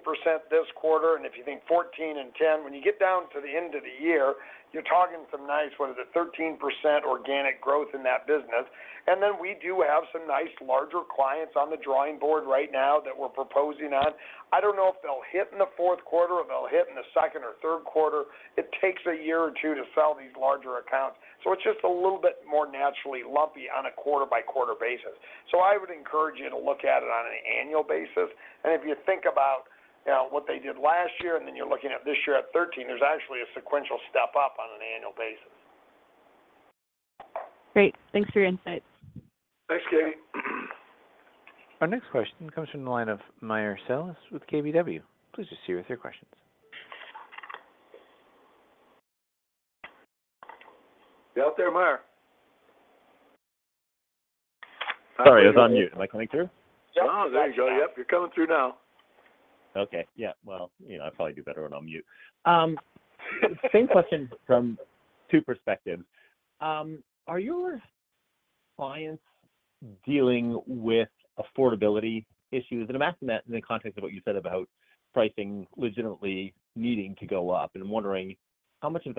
this quarter, and if you think 14 and 10, when you get down to the end of the year, you're talking some nice, what is it, 13% organic growth in that business. Then we do have some nice larger clients on the drawing board right now that we're proposing on. I don't know if they'll hit in the fourth quarter or if they'll hit in the second or third quarter. It takes a year or two to sell these larger accounts, so it's just a little bit more naturally lumpy on a quarter-by-quarter basis. I would encourage you to look at it on an annual basis, and if you think about, you know, what they did last year, and then you're looking at this year at 13, there's actually a sequential step up on an annual basis. Great. Thanks for your insights. Thanks, Katie. Our next question comes from the line of Meyer Shields with KBW. Please proceed with your questions. You out there, Meyer? Sorry, I was on mute. Am I coming through? Oh, there you go. Yep, you're coming through now. Okay. Yeah, well, you know, I probably do better when I'm mute. Same question from two perspectives. Are your clients dealing with affordability issues? I'm asking that in the context of what you said about pricing legitimately needing to go up, and I'm wondering, how much of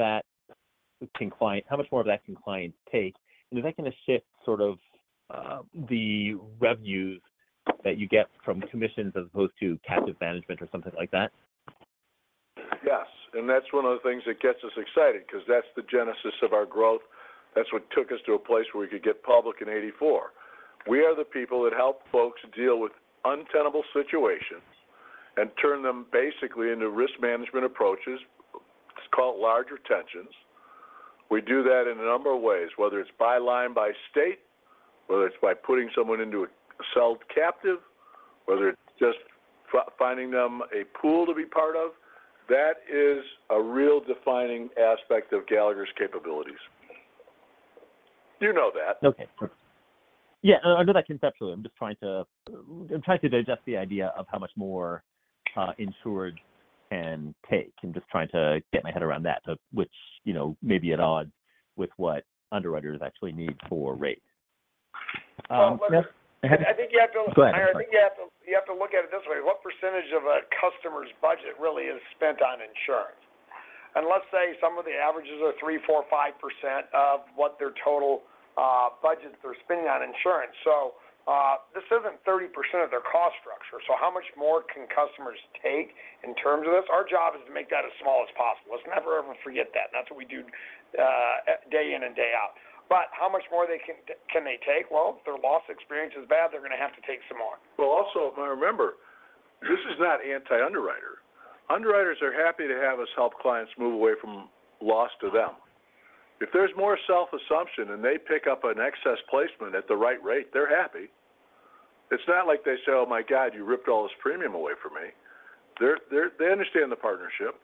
that can client- how much more of that can clients take? Is that going to shift sort of the revenues that you get from commissions as opposed to captive management or something like that? Yes, that's one of the things that gets us excited because that's the genesis of our growth. That's what took us to a place where we could get public in 1984. We are the people that help folks deal with untenable situations and turn them basically into risk management approaches. It's called larger tensions. We do that in a number of ways, whether it's by line, by state, whether it's by putting someone into a self-captive, whether it's just finding them a pool to be part of, that is a real defining aspect of Gallagher's capabilities. You know that. Okay. Yeah, I know that conceptually. I'm just trying to, I'm trying to digest the idea of how much more insured can take, and just trying to get my head around that, which, you know, may be at odds with what underwriters actually need for rate. Yeah. I think you have to- Go ahead. I think you have to, you have to look at it this way. What percentage of a customer's budget really is spent on insurance? Let's say some of the averages are 3%, 4%, 5% of what their total, budget they're spending on insurance. This isn't 30% of their cost structure. How much more can customers take in terms of this? Our job is to make that as small as possible. Let's never, ever forget that. That's what we do, day in and day out. How much more they can, can they take? Well, if their loss experience is bad, they're going to have to take some more. Well, also, if I remember, this is not anti-underwriter. Underwriters are happy to have us help clients move away from loss to them. if there's more self-assumption and they pick up an excess placement at the right rate, they're happy. It's not like they say, "Oh, my God, you ripped all this premium away from me." They're, they're they understand the partnership.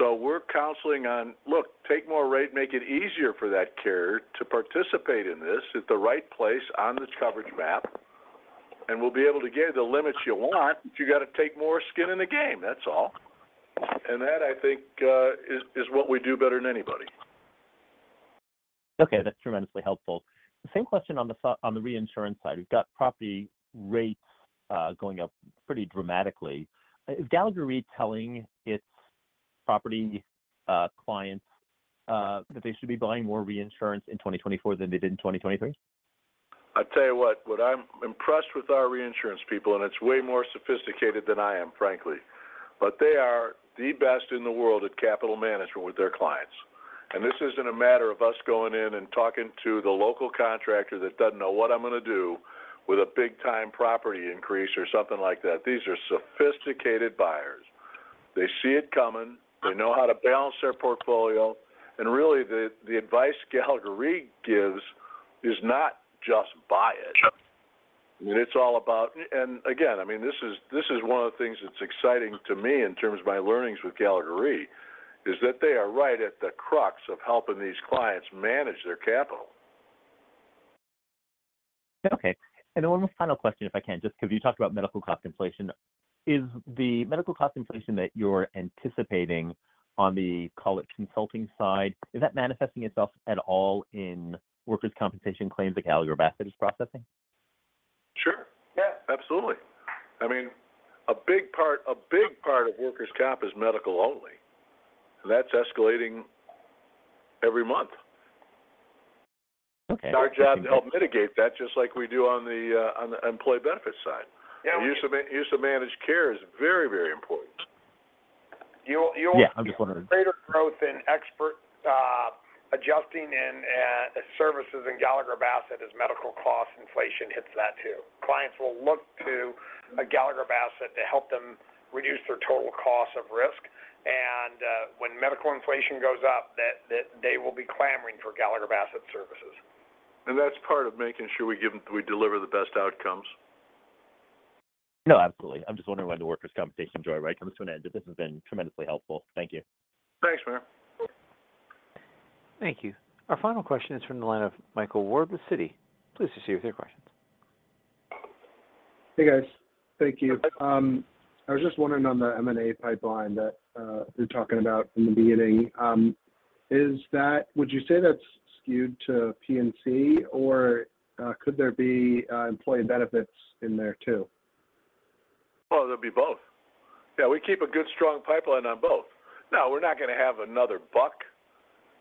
We're counseling on, "Look, take more rate, make it easier for that carrier to participate in this at the right place on this coverage map, and we'll be able to give you the limits you want, but you got to take more skin in the game, that's all." That, I think, is, is what we do better than anybody. Okay, that's tremendously helpful. Same question on the reinsurance side. We've got property rates going up pretty dramatically. Is Gallagher Re telling its property clients that they should be buying more reinsurance in 2024 than they did in 2023? I tell you what, what I'm impressed with our reinsurance people, and it's way more sophisticated than I am, frankly, but they are the best in the world at capital management with their clients. This isn't a matter of us going in and talking to the local contractor that doesn't know what I'm going to do with a big-time property increase or something like that. These are sophisticated buyers. They see it coming, they know how to balance their portfolio, really, the, the advice Gallagher Re gives is not just, "Buy it. Sure. It's all about. Again, I mean, this is, this is one of the things that's exciting to me in terms of my learnings with Gallagher Re, is that they are right at the crux of helping these clients manage their capital. Okay. One more final question, if I can, just because you talked about medical cost inflation. Is the medical cost inflation that you're anticipating on the, call it, consulting side, is that manifesting itself at all in workers' compensation claims that Gallagher Bassett is processing? Sure. Yeah, absolutely. I mean, a big part, a big part of workers' comp is medical only. That's escalating every month. Okay. It's our job to help mitigate that, just like we do on the on the employee benefit side. Yeah- Use of managed care is very, very important. You, you- Yeah, I just. Greater growth in expert adjusting and services in Gallagher Bassett as medical cost inflation hits that too. Clients will look to a Gallagher Bassett to help them reduce their total cost of risk, and, when medical inflation goes up, that they will be clamoring for Gallagher Bassett services. That's part of making sure we deliver the best outcomes. No, absolutely. I'm just wondering when the workers' compensation joyride comes to an end, but this has been tremendously helpful. Thank you. Thanks, man. Thank you. Our final question is from the line of Michael Ward with Citi. Please proceed with your questions. Hey, guys. Thank you. I was just wondering on the M&A pipeline that you're talking about from the beginning, is that would you say that's skewed to P&C, or could there be employee benefits in there too? Well, it'll be both. Yeah, we keep a good, strong pipeline on both. We're not going to have another Buck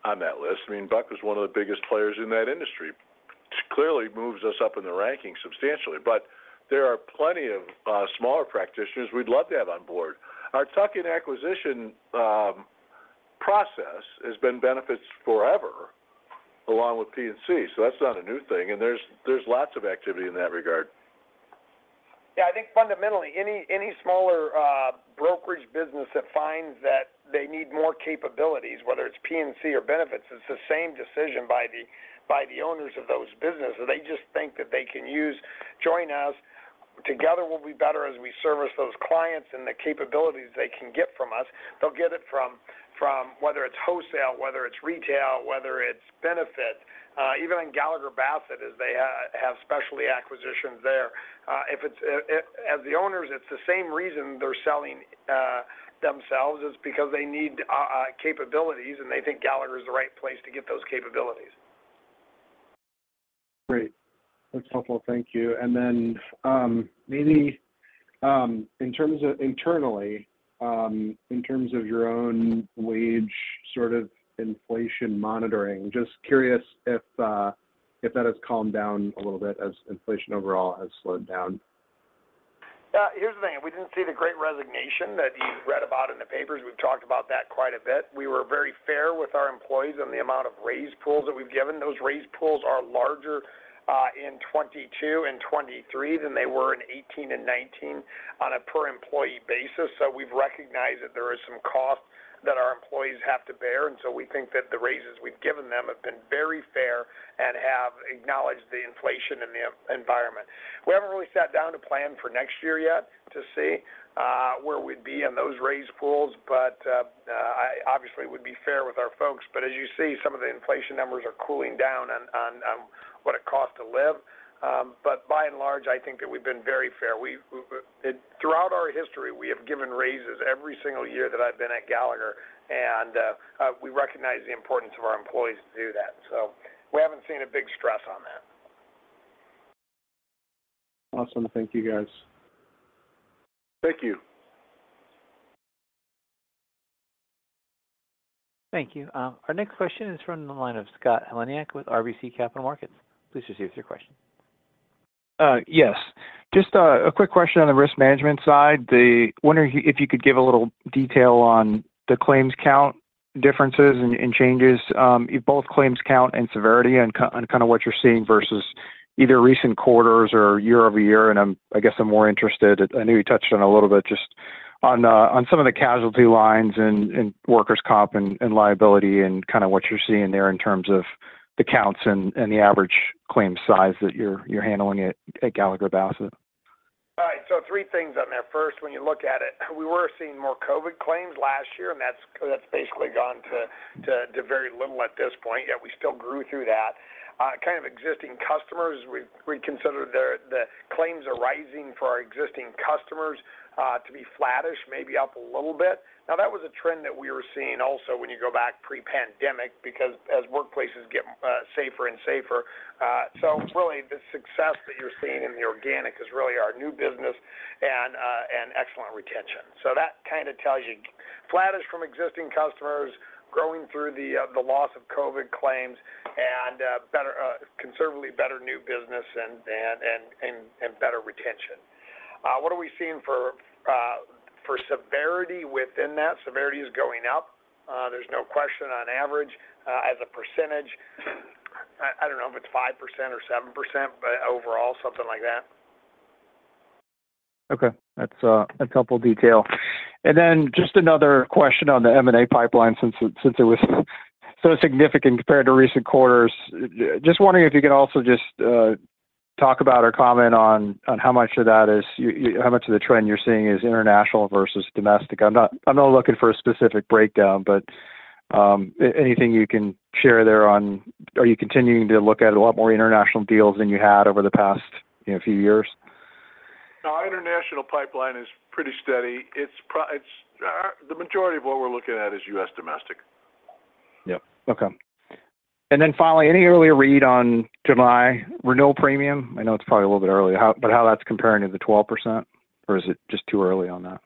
on that list. I mean, Buck was one of the biggest players in that industry, which clearly moves us up in the ranking substantially. There are plenty of smaller practitioners we'd love to have on board. Our tuck-in acquisition process has been benefits forever, along with P&C. That's not a new thing. There's, there's lots of activity in that regard. I think fundamentally, any, any smaller brokerage business that finds that they need more capabilities, whether it's P&C or benefits, it's the same decision by the, by the owners of those businesses. They just think that they can use, join us. Together, we'll be better as we service those clients, and the capabilities they can get from us, they'll get it from, from whether it's wholesale, whether it's retail, whether it's benefit. Even in Gallagher Bassett, is they have, have specialty acquisitions there. As the owners, it's the same reason they're selling themselves, is because they need capabilities, and they think Gallagher is the right place to get those capabilities. Great. That's helpful. Thank you. Then, maybe, in terms of internally, in terms of your own wage, sort of inflation monitoring, just curious if that has calmed down a little bit as inflation overall has slowed down? Here's the thing. We didn't see the great resignation that you read about in the papers. We've talked about that quite a bit. We were very fair with our employees on the amount of raise pools that we've given. Those raise pools are larger in 2022 and 2023 than they were in 2018 and 2019 on a per employee basis. We've recognized that there is some cost that our employees have to bear, and so we think that the raises we've given them have been very fair and have acknowledged the inflation in the environment. We haven't really sat down to plan for next year yet to see where we'd be in those raise pools, but I obviously would be fair with our folks. As you see, some of the inflation numbers are cooling down on what it costs to live. By and large, I think that we've been very fair. We've, we've. Throughout our history, we have given raises every single year that I've been at Gallagher, and we recognize the importance of our employees to do that. We haven't seen a big stress on that. Awesome. Thank you, guys. Thank you. Thank you. Our next question is from the line of Scott Heleniak with RBC Capital Markets. Please proceed with your question. Yes. Just a quick question on the risk management side. Wondering if you, if you could give a little detail on the claims count differences and, and changes, if both claims count and severity and kind of what you're seeing versus either recent quarters or year over year, and I guess I'm more interested. I know you touched on a little bit, just on the, on some of the casualty lines and, and workers' comp and, and liability and kind of what you're seeing there in terms of the counts and, and the average claim size that you're, you're handling at, at Gallagher Bassett? All right, three things on there. First, when you look at it, we were seeing more COVID claims last year, and that's, that's basically gone to, to, to very little at this point, yet we still grew through that. Kind of existing customers, we, we consider the claims arising for our existing customers to be flattish, maybe up a little bit. Now, that was a trend that we were seeing also when you go back pre-pandemic because as workplaces get safer and safer, really the success that you're seeing in the organic is really our new business and excellent retention. That kind of tells you, flattish from existing customers, growing through the loss of COVID claims and better, considerably better new business and, and, and, and better retention. What are we seeing for severity within that? Severity is going up. There's no question on average, as a percentage, I, I don't know if it's 5% or 7%, but overall, something like that. Okay. That's a, a helpful detail. Then just another question on the M&A pipeline, since it was so significant compared to recent quarters. Just wondering if you could also just talk about or comment on how much of that is how much of the trend you're seeing is international versus domestic? I'm not looking for a specific breakdown, but anything you can share there on are you continuing to look at a lot more international deals than you had over the past, you know, few years? Our international pipeline is pretty steady. It's the majority of what we're looking at is U.S. domestic. Yep. Okay. Then finally, any earlier read on July renewal premium? I know it's probably a little bit early, how that's comparing to the 12%, or is it just too early on that?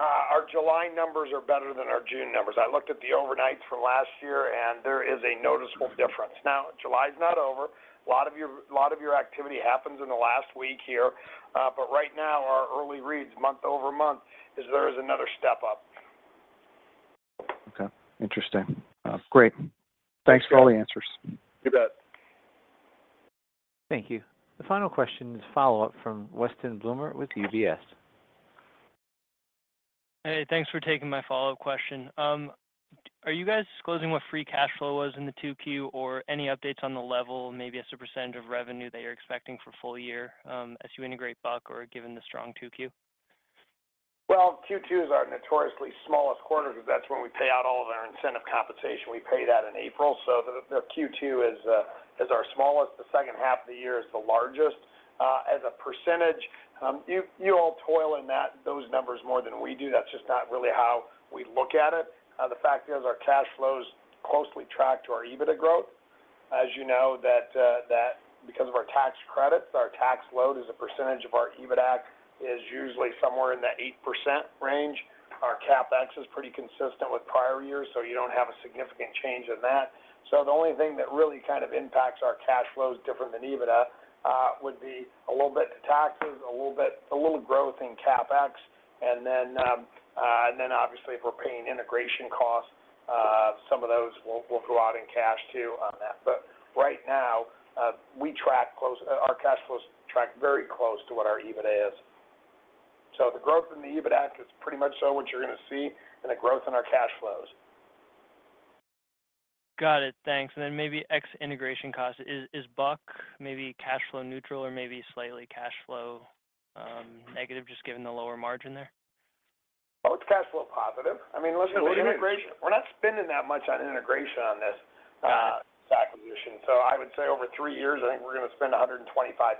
Our July numbers are better than our June numbers. I looked at the overnights from last year, and there is a noticeable difference. Now, July is not over. A lot of your activity happens in the last week here, but right now, our early reads month-over-month is there is another step up. Okay. Interesting. Great. Thanks for all the answers. You bet. Thank you. The final question is a follow-up from Weston Bloomer with UBS. Hey, thanks for taking my follow-up question. Are you guys disclosing what free cash flow was in the 2Q or any updates on the level, maybe as a percentage of revenue that you're expecting for full year, as you integrate Buck or given the strong 2Q? Q2 is our notoriously smallest quarter because that's when we pay out all of our incentive compensation. We pay that in April, so the Q2 is our smallest. The second half of the year is the largest. As a percentage, you, you all toil in that, those numbers more than we do. That's just not really how we look at it. The fact is our cash flows closely track to our EBITDA growth. As you know, that because of our tax credits, our tax load as a percentage of our EBITDAC is usually somewhere in that 8% range. Our CapEx is pretty consistent with prior years, so you don't have a significant change in that. The only thing that really kind of impacts our cash flows different than EBITDA, would be a little bit of taxes, a little growth in CapEx, and then, and then obviously, if we're paying integration costs, some of those will, will go out in cash, too, on that. Right now, our cash flows track very close to what our EBITDA is. The growth in the EBITDAC is pretty much so what you're going to see in the growth in our cash flows. Got it. Thanks. Then maybe X integration cost. Is, is Buck maybe cash flow neutral or maybe slightly cash flow negative, just given the lower margin there? Well, it's cash flow positive. I mean, listen, the integration, we're not spending that much on integration on this acquisition. I would say over three years, I think we're going to spend $125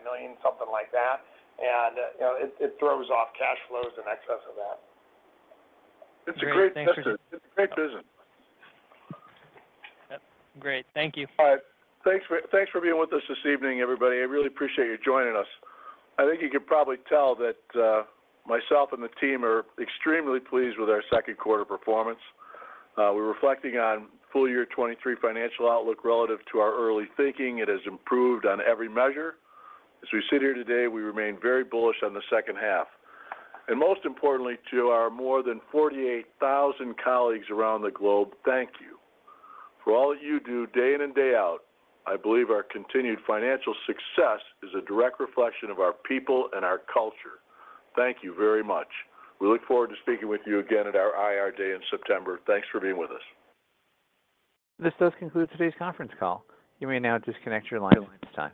million, something like that. You know, it, it throws off cash flows in excess of that. It's a great business. It's a great business. Yep. Great. Thank you. All right. Thanks for, thanks for being with us this evening, everybody. I really appreciate you joining us. I think you can probably tell that myself and the team are extremely pleased with our second quarter performance. We're reflecting on full year 2023 financial outlook relative to our early thinking. It has improved on every measure. As we sit here today, we remain very bullish on the second half. Most importantly, to our more than 48,000 colleagues around the globe, thank you. For all you do day in and day out, I believe our continued financial success is a direct reflection of our people and our culture. Thank you very much. We look forward to speaking with you again at our IR Day in September. Thanks for being with us. This does conclude today's conference call. You may now disconnect your line at this time.